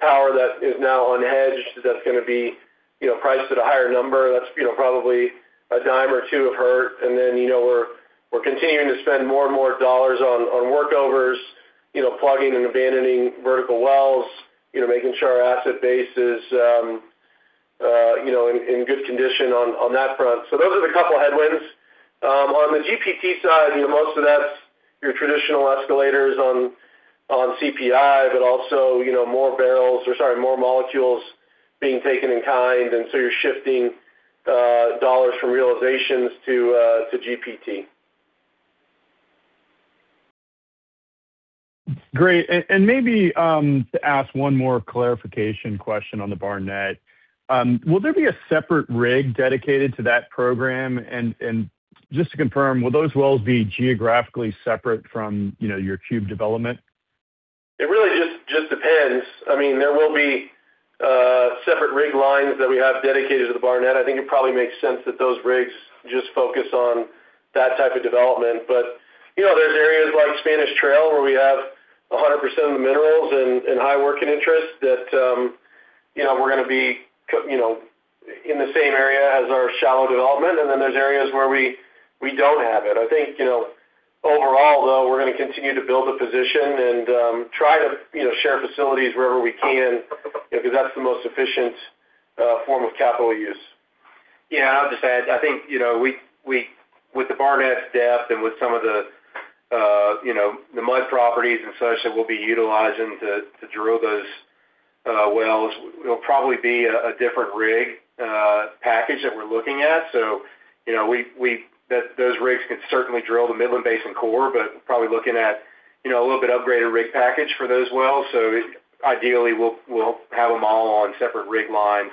power that is now unhedged. That's going to be, you know, priced at a higher number. That's, you know, probably a dime or two of hurt. You know, we're continuing to spend more and more dollars on workovers, you know, plugging and abandoning vertical wells, you know, making sure our asset base is, you know, in good condition on that front. Those are the couple of headwinds. On the GPT side, you know, most of that's your traditional escalators on CPI, but also, you know, more barrels, or sorry, more molecules being taken in kind. You're shifting dollars from realizations to to GPT. Great. And maybe, to ask one more clarification question on the Barnett. Will there be a separate rig dedicated to that program? And just to confirm, will those wells be geographically separate from, you know, your cube development? It really just depends. I mean, there will be separate rig lines that we have dedicated to the Barnett. I think it probably makes sense that those rigs just focus on that type of development. You know, there's areas like Spanish Trail, where we have 100% of the minerals and high working interest that, you know, we're going to be, you know, in the same area as our shallow development. Then there's areas where we don't have it. I think, you know, overall, though, we're going to continue to build a position and try to, you know, share facilities wherever we can, you know, because that's the most efficient form of capital use. Yeah, I'll just add, I think, you know, we with the Barnett's depth and with some of the, you know, the mud properties and such that we'll be utilizing to drill those wells, it'll probably be a different rig package that we're looking at. You know, we those rigs can certainly drill the Midland Basin core, but probably looking at, you know, a little bit upgraded rig package for those wells. Ideally, we'll have them all on separate rig lines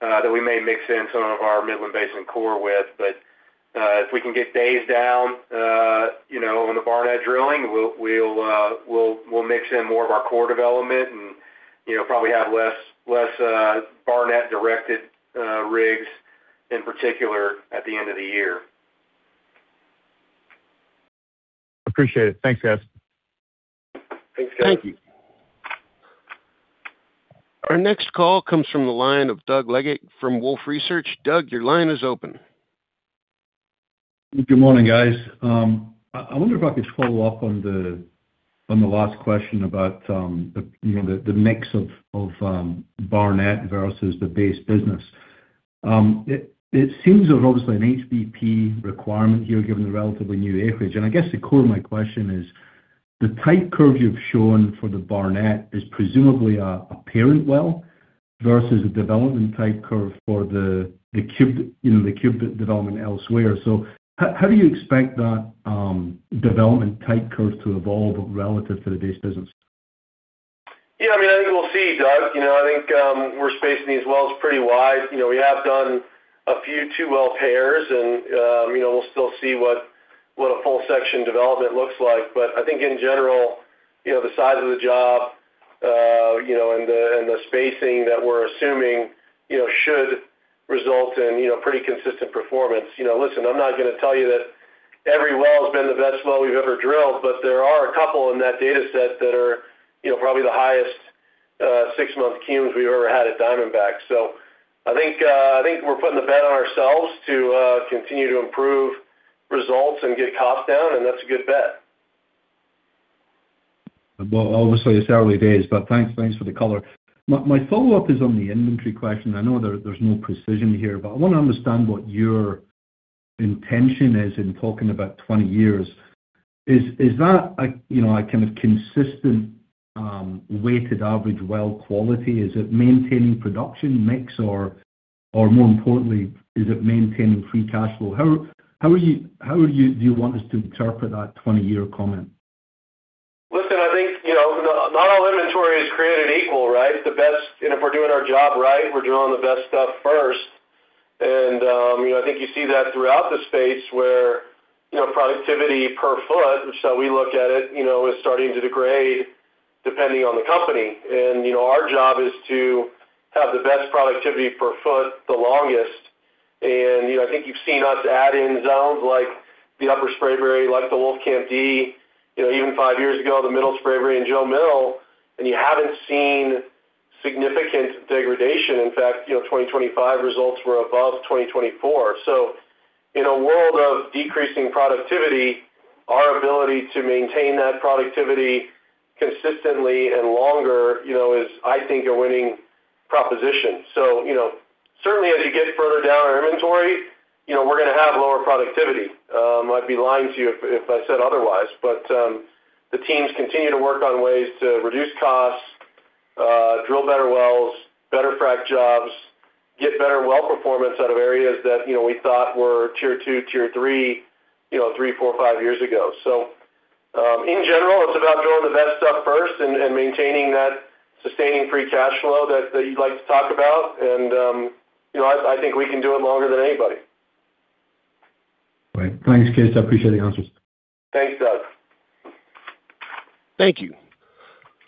that we may mix in some of our Midland Basin core with. If we can get days down, you know, on the Barnett drilling, we'll mix in more of our core development and, you know, probably have less Barnett-directed rigs in particular at the end of the year. Appreciate it. Thanks, guys. Thanks, guys. Thank you. Our next call comes from the line of Doug Leggate from Wolfe Research. Doug, your line is open. Good morning, guys. I wonder if I could follow up on the last question about the, you know, the mix of Barnett versus the base business. It seems there's obviously an HBP requirement here, given the relatively new acreage. I guess the core of my question is, the type curve you've shown for the Barnett is presumably a parent well versus a development type curve for the cube, you know, the cube development elsewhere. How do you expect that development type curve to evolve relative to the base business? Yeah, I mean, I think we'll see, Doug. You know, I think we're spacing these wells pretty wide. You know, we have done a few 2 well pairs and, you know, we'll still see what a full section development looks like. I think in general, you know, the size of the job, you know, and the, and the spacing that we're assuming, you know, should result in, you know, pretty consistent performance. You know, listen, I'm not going to tell you that every well has been the best well we've ever drilled, but there are a couple in that data set that are, you know, probably the highest six-month cumes we've ever had at Diamondback. I think we're putting the bet on ourselves to continue to improve results and get costs down, and that's a good bet. Obviously, it's early days, thanks for the color. My follow-up is on the inventory question. I know there's no precision here, I want to understand what your intention is in talking about 20 years. Is that a, you know, a kind of consistent, weighted average well quality? Is it maintaining production mix, or more importantly, is it maintaining free cash flow? How would you, do you want us to interpret that 20-year comment? Listen, I think, you know, not all inventory is created equal, right? If we're doing our job right, we're drilling the best stuff first. You know, I think you see that throughout the space where, you know, productivity per foot, which how we look at it, you know, is starting to degrade depending on the company. You know, our job is to have the best productivity per foot, the longest. You know, I think you've seen us add in zones like the Upper Spraberry, like the Wolfcamp D, you know, even five years ago, the Middle Spraberry and Jo Mill, and you haven't seen significant degradation. In fact, you know, 2025 results were above 2024. In a world of decreasing productivity, our ability to maintain that productivity consistently and longer, you know, is, I think, a winning proposition. you know, certainly as you get further down our inventory, you know, we're going to have lower productivity. I'd be lying to you if I said otherwise. The teams continue to work on ways to reduce costs, drill better wells, better frac jobs, get better well performance out of areas that, you know, we thought were tier two, tier three, you know, three, four, five years ago. In general, it's about drilling the best stuff first and maintaining that sustaining free cash flow that you'd like to talk about. you know, I think we can do it longer than anybody. Great. Thanks, Keith. I appreciate the answers. Thanks, Doug. Thank you.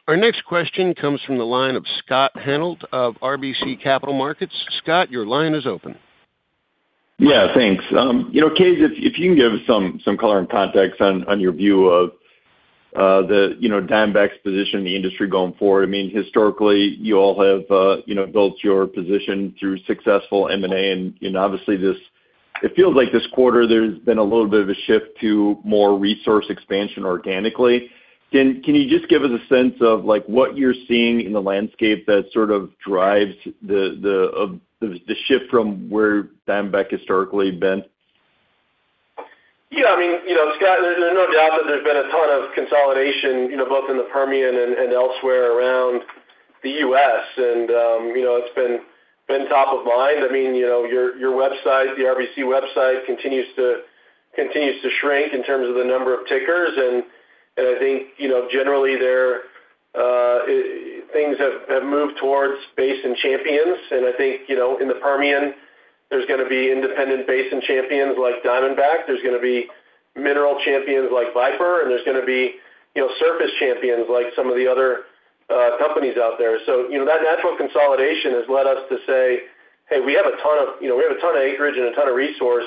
Our next question comes from the line of Scott Hanold of RBC Capital Markets. Scott, your line is open. Yeah, thanks. you know, Kaes, if you can give some color and context on your view of, the, you know, Diamondback's position in the industry going forward. I mean, historically, you all have, you know, built your position through successful M&A, and, you know, obviously, it feels like this quarter there's been a little bit of a shift to more resource expansion organically. Can you just give us a sense of, like, what you're seeing in the landscape that sort of drives the shift from where Diamondback historically had been? Yeah, I mean, you know, Scott, there's no doubt that there's been a ton of consolidation, you know, both in the Permian and elsewhere around the US. I mean, you know, it's been top of mind. I mean, you know, your website, the RBC website, continues to shrink in terms of the number of tickers. I think, you know, generally there, things have moved towards basin champions. I think, you know, in the Permian, there's gonna be independent basin champions like Diamondback. There's gonna be mineral champions like Viper, and there's gonna be, you know, surface champions, like some of the other companies out there. That natural consolidation has led us to say, "Hey, we have a ton of, you know, we have a ton of acreage and a ton of resource.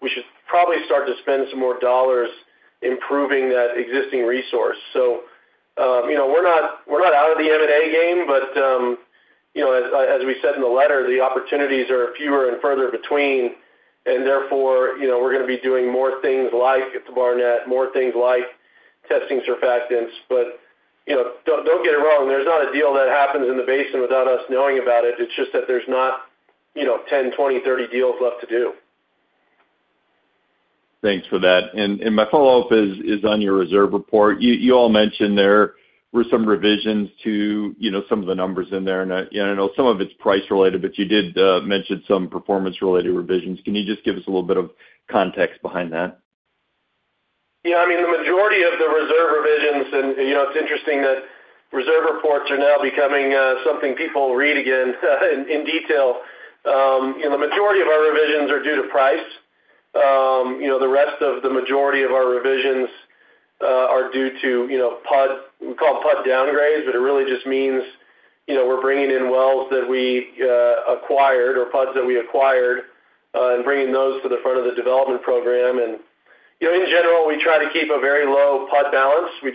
We should probably start to spend some more $ improving that existing resource." You know, we're not out of the M&A game, but, you know, as we said in the letter, the opportunities are fewer and further between, and therefore, you know, we're gonna be doing more things like the Barnett, more things like testing surfactants. You know, don't get it wrong, there's not a deal that happens in the basin without us knowing about it. It's just that there's not, you know, 10, 20, 30 deals left to do. Thanks for that. My follow-up is on your reserve report. You all mentioned there were some revisions to, you know, some of the numbers in there, and I know some of it's price related, but you did mention some performance-related revisions. Can you just give us a little bit of context behind that? Yeah, I mean, the majority of the reserve revisions, and, you know, it's interesting that reserve reports are now becoming something people read again in detail. The majority of our revisions are due to price. You know, the rest of the majority of our revisions are due to, you know, we call them pod downgrades, but it really just means, you know, we're bringing in wells that we acquired or pods that we acquired, and bringing those to the front of the development program. You know, in general, we try to keep a very low pod balance. You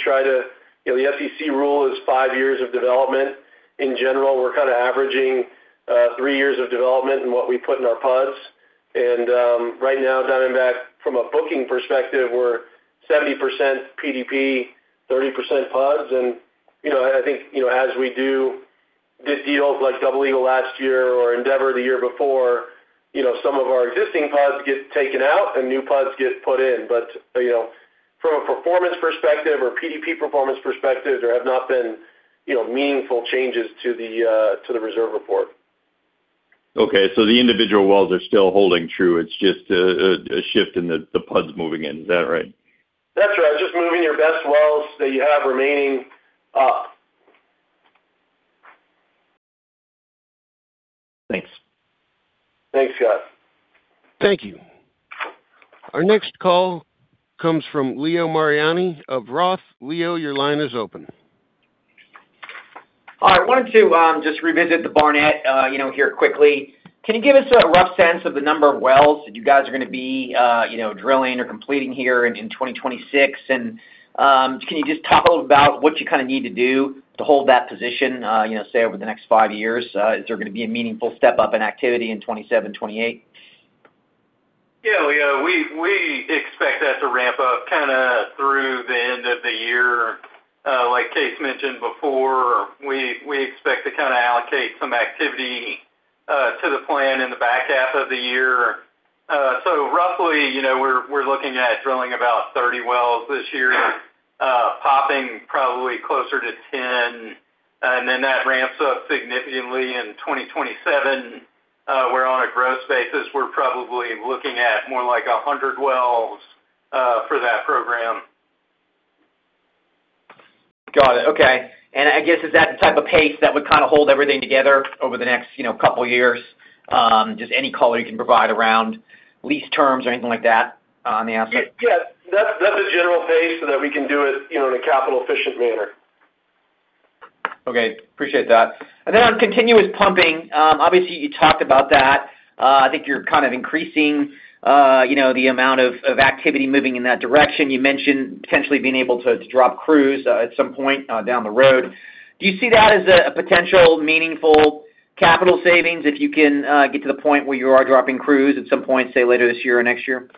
know, the SEC rule is five years of development. In general, we're kind of averaging three years of development in what we put in our pods. Right now, Diamondback, from a booking perspective, we're 70% PDP, 30% pods. You know, I think, you know, as we do big deals like Double Eagle last year or Endeavor the year before, you know, some of our existing pods get taken out and new pods get put in. You know, from a performance perspective or PDP performance perspective, there have not been, you know, meaningful changes to the reserve report. Okay, the individual wells are still holding true. It's just a shift in the pods moving in. Is that right? That's right. Just moving your best wells that you have remaining up. Thanks. Thanks, Scott. Thank you. Our next call comes from Leo Mariani of ROTH. Leo, your line is open. Hi, I wanted to just revisit the Barnett, you know, here quickly. Can you give us a rough sense of the number of wells that you guys are gonna be, you know, drilling or completing here in 2026? Can you just talk about what you kind of need to do to hold that position, you know, say, over the next five years? Is there gonna be a meaningful step-up in activity in 2027, 2028? Yeah, Leo, we expect that to ramp up kind of through the end of the year. Like Kaes mentioned before, we expect to kind of allocate some activity to the plan in the back half of the year. Roughly, you know, we're looking at drilling about 30 wells this year, popping probably closer to 10, and then that ramps up significantly in 2027. We're on a growth basis. We're probably looking at more like 100 wells for that program. Got it. Okay. I guess, is that the type of pace that would kind of hold everything together over the next, you know, couple of years? Just any color you can provide around lease terms or anything like that, on the asset? Yeah, that's a general pace so that we can do it, you know, in a capital efficient manner. Okay, appreciate that. On continuous pumping, obviously, you talked about that. I think you're kind of increasing, you know, the amount of activity moving in that direction. You mentioned potentially being able to drop crews, at some point, down the road. Do you see that as a potential meaningful capital savings, if you can, get to the point where you are dropping crews at some point, say, later this year or next year?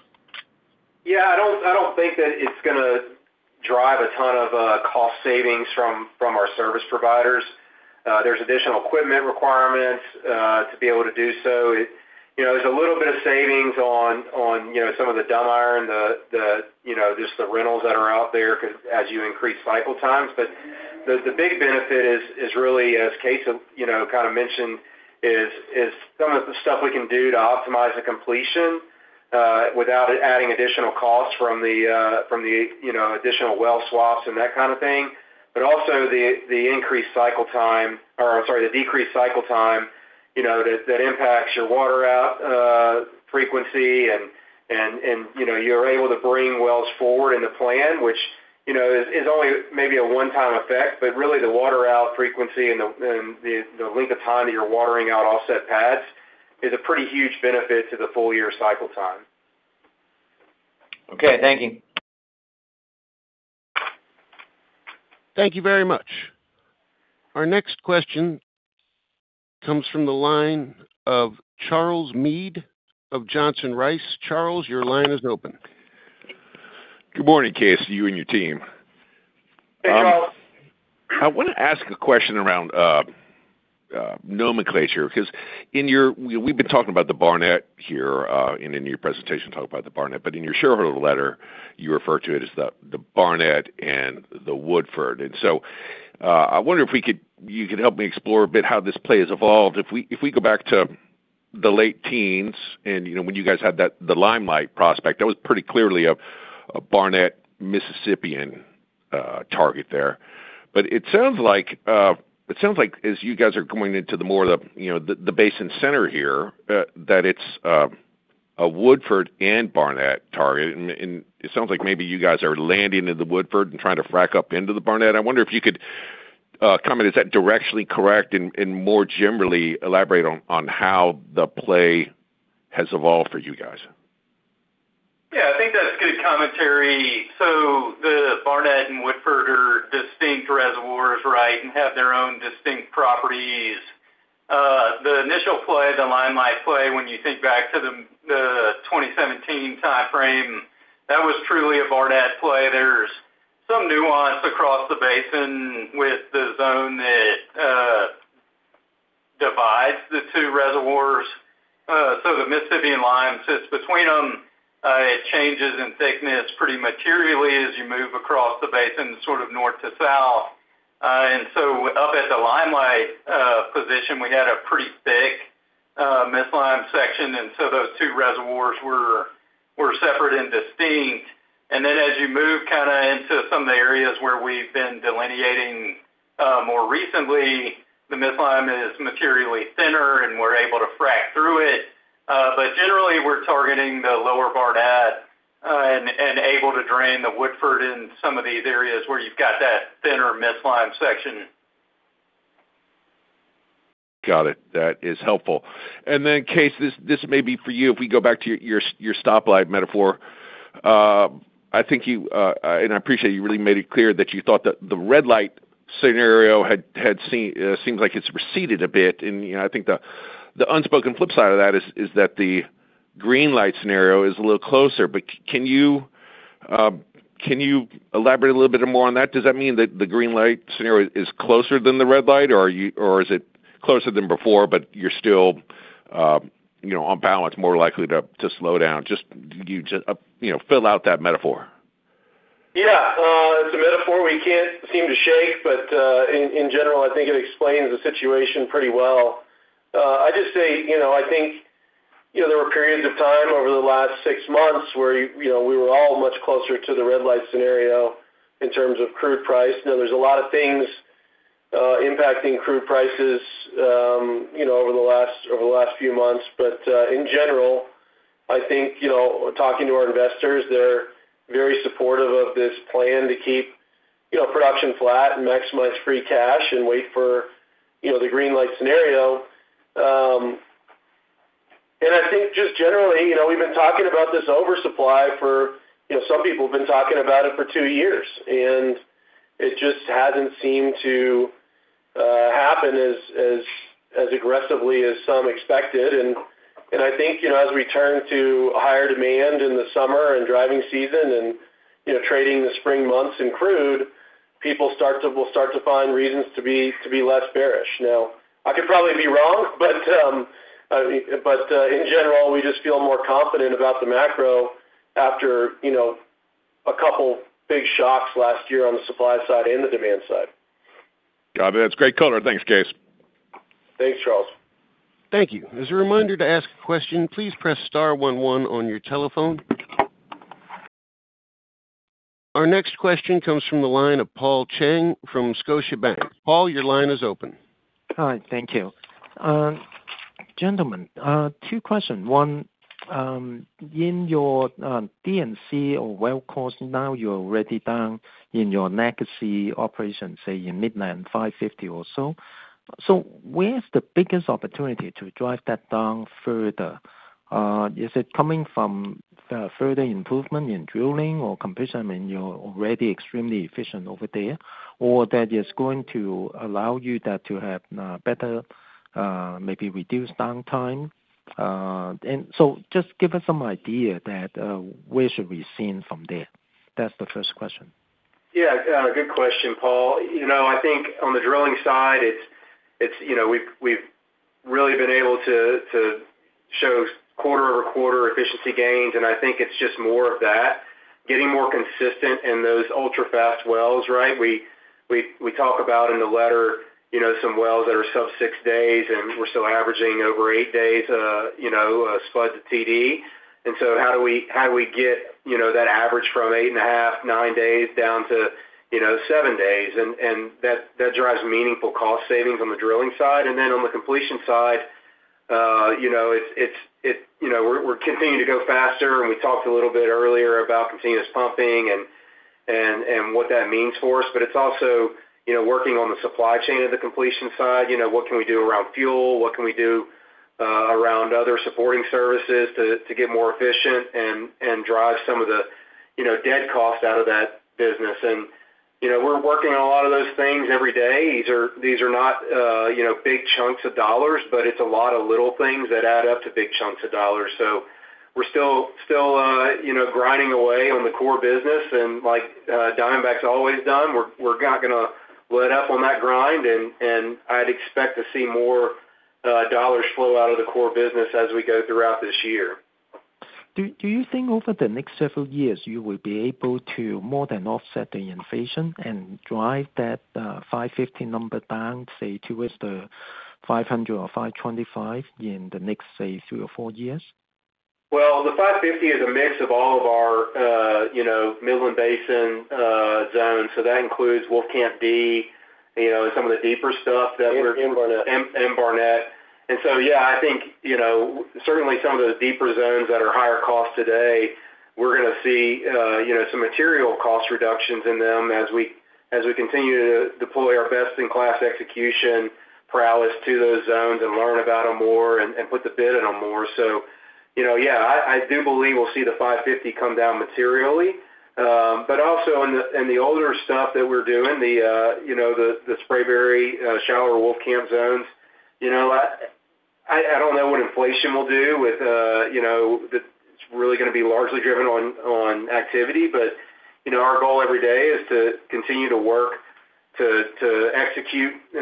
Yeah, I don't, I don't think that it's gonna drive a ton of cost savings from our service providers. There's additional equipment requirements to be able to do so. You know, there's a little bit of savings on, you know, some of the dumb iron, the, you know, just the rentals that are out there as you increase cycle times. The big benefit is really, as Kaes, you know, kind of mentioned, is some of the stuff we can do to optimize the completion without it adding additional costs from the from the, you know, additional well swaps and that kind of thing. Also the increased cycle time, or sorry, the decreased cycle time, you know, that impacts your water out frequency. You know, you're able to bring wells forward in the plan, which, you know, is only maybe a one-time effect, but really the water out frequency and the length of time that you're watering out offset pads is a pretty huge benefit to the full year cycle time. Okay, thank you. Thank you very much. Our next question comes from the line of Charles Meade of Johnson Rice. Charles, your line is open. Good morning, Kaes, to you and your team. Hey, Charles. I want to ask a question around nomenclature, because we've been talking about the Barnett here, and in your presentation, talking about the Barnett, but in your shareholder letter, you refer to it as the Barnett and the Woodford. I wonder if you could help me explore a bit how this play has evolved. If we, if we go back to the late teens and, you know, when you guys had that, the Limelight prospect, that was pretty clearly a Barnett Mississippian target there. It sounds like as you guys are going into the more the, you know, the basin center here, that it's a Woodford and Barnett target, and it sounds like maybe you guys are landing in the Woodford and trying to frack up into the Barnett. I wonder if you could comment, is that directionally correct? More generally, elaborate on how the play has evolved for you guys. I think that's good commentary. The Barnett and Woodford are distinct reservoirs, right, and have their own distinct properties. The initial play, the Limelight play, when you think back to the 2017 timeframe, that was truly a Barnett play. There's some nuance across the basin with the zone that divides the two reservoirs. The Mississippian lime sits between them. It changes in thickness pretty materially as you move across the basin, sort of north to south. Up at the Limelight position, we had a pretty thick Mississippian lime section, and so those two reservoirs were separate and distinct. Then as you move kind of into some of the areas where we've been delineating more recently, the Mississippian lime is materially thinner, and we're able to frack through it. generally, we're targeting the lower Barnett, and able to drain the Woodford in some of these areas where you've got that thinner Mississippian lime section. Got it. That is helpful. Kaes, this may be for you. If we go back to your stoplight metaphor. I think you and I appreciate you really made it clear that you thought that the red light scenario seems like it's receded a bit. You know, I think the unspoken flip side of that is that the green light scenario is a little closer. Can you elaborate a little bit more on that? Does that mean that the green light scenario is closer than the red light, or is it closer than before, but you're still, you know, on balance, more likely to slow down? Just you just, you know, fill out that metaphor. Yeah, it's a metaphor we can't seem to shake, but, in general, I think it explains the situation pretty well. I just say, you know, I think, you know, there were periods of time over the last six months, where, you know, we were all much closer to the red light scenario in terms of crude price. There's a lot of things impacting crude prices, you know, over the last few months. In general, I think, you know, talking to our investors, they're very supportive of this plan to keep, you know, production flat and maximize free cash and wait for, you know, the green light scenario. I think just generally, you know, we've been talking about this oversupply for, you know, some people have been talking about it for two years, it just hasn't seemed to happen as aggressively as some expected. I think, you know, as we turn to higher demand in the summer and driving season and, you know, trading the spring months in crude, people will start to find reasons to be less bearish. I could probably be wrong, but in general, we just feel more confident about the macro after, you know, a couple big shocks last year on the supply side and the demand side. Got it. It's great color. Thanks, Kaes. Thanks, Charles. Thank you. As a reminder to ask a question, please press star one one on your telephone. Our next question comes from the line of Paul Cheng from Scotiabank. Paul, your line is open. Hi, thank you. gentlemen, 2 questions. One, in your D&C or well cost, now you're already down in your legacy operation, say in Midland, $550 or so. Where's the biggest opportunity to drive that down further? Is it coming from further improvement in drilling or completion? I mean, you're already extremely efficient over there. That is going to allow you that to have better, maybe reduced downtime? Just give us some idea that where should we be seeing from there? That's the first question. Yeah, good question, Paul. You know, I think on the drilling side, it's, you know, we've really been able to show quarter-over-quarter efficiency gains, and I think it's just more of that. Getting more consistent in those ultra-fast wells, right? We talk about in the letter, you know, some wells that are sub six days, and we're still averaging over eight days, you know, spud to TD. How do we get, you know, that average from eight point five, nine days down to, you know, seven days? That drives meaningful cost savings on the drilling side. On the completion side, You know, it's, you know, we're continuing to go faster, and we talked a little bit earlier about continuous pumping and what that means for us. It's also, you know, working on the supply chain of the completion side. You know, what can we do around fuel? What can we do around other supporting services to get more efficient and drive some of the, you know, dead costs out of that business? You know, we're working on a lot of those things every day. These are not, you know, big chunks of dollars, but it's a lot of little things that add up to big chunks of dollars. We're still, you know, grinding away on the core business. Like Diamondback's always done, we're not gonna let up on that grind, and I'd expect to see more dollars flow out of the core business as we go throughout this year. Do you think over the next several years, you will be able to more than offset the inflation and drive that, 550 number down, say, towards the 500 or 525 in the next, say, three or four years? The 550 is a mix of all of our, you know, Midland Basin zones. That includes Wolfcamp D, you know, some of the deeper stuff. Barnett. Barnett. Yeah, I think, you know, certainly some of those deeper zones that are higher cost today, we're gonna see, you know, some material cost reductions in them as we, as we continue to deploy our best-in-class execution prowess to those zones and learn about them more and put the bid on them more. You know, yeah, I do believe we'll see the $550 come down materially. Also in the, in the older stuff that we're doing, the, you know, the Spraberry, shallower Wolfcamp zones, you know, I, I don't know what inflation will do with, you know. It's really gonna be largely driven on activity. You know, our goal every day is to continue to work to execute, you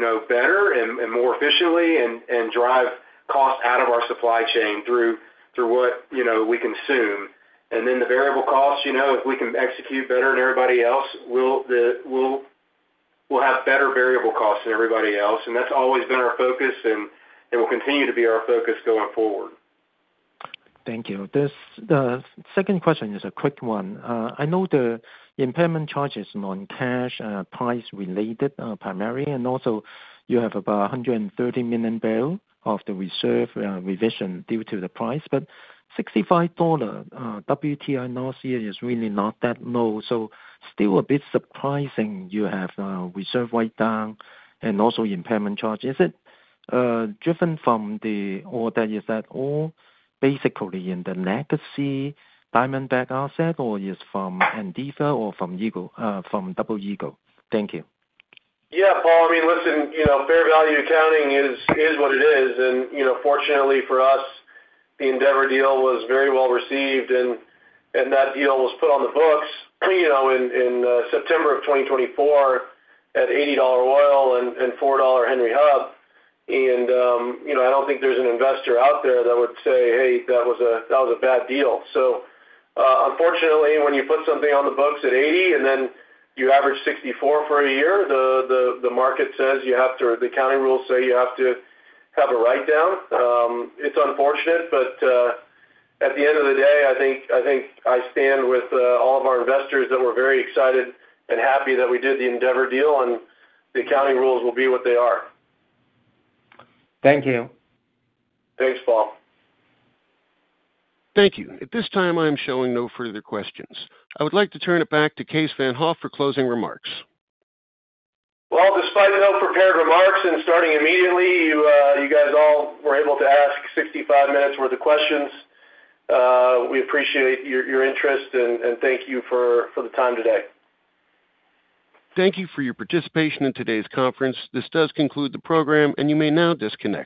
know, better and more efficiently, and drive costs out of our supply chain through what, you know, we consume. The variable costs, you know, if we can execute better than everybody else, we'll have better variable costs than everybody else, and that's always been our focus and will continue to be our focus going forward. Thank you. This second question is a quick one. I know the impairment charges on cash are price related, primarily, and also you have about 130 million barrel of the reserve revision due to the price. $65 WTI last year is really not that low, so still a bit surprising you have reserve write-down and also impairment charge. Is it driven from the legacy Diamondback asset, or is from Endeavor or from Eagle, from Double Eagle? Thank you. Yeah, Paul. I mean, listen, you know, fair value accounting is what it is. You know, fortunately for us, the Endeavor deal was very well received, and that deal was put on the books, you know, in September of 2024 at $80 oil and $4 Henry Hub. You know, I don't think there's an investor out there that would say, "Hey, that was a bad deal." Unfortunately, when you put something on the books at $80 and then you average $64 for a year, the market says the accounting rules say you have to have a write-down. It's unfortunate. At the end of the day, I think I stand with all of our investors that we're very excited and happy that we did the Endeavor deal. The accounting rules will be what they are. Thank you. Thanks, Paul. Thank you. At this time, I'm showing no further questions. I would like to turn it back to Kaes Van't Hof for closing remarks. Well, despite the no prepared remarks and starting immediately, you guys all were able to ask 65 minutes worth of questions. We appreciate your interest, and thank you for the time today. Thank you for your participation in today's conference. This does conclude the program, and you may now disconnect.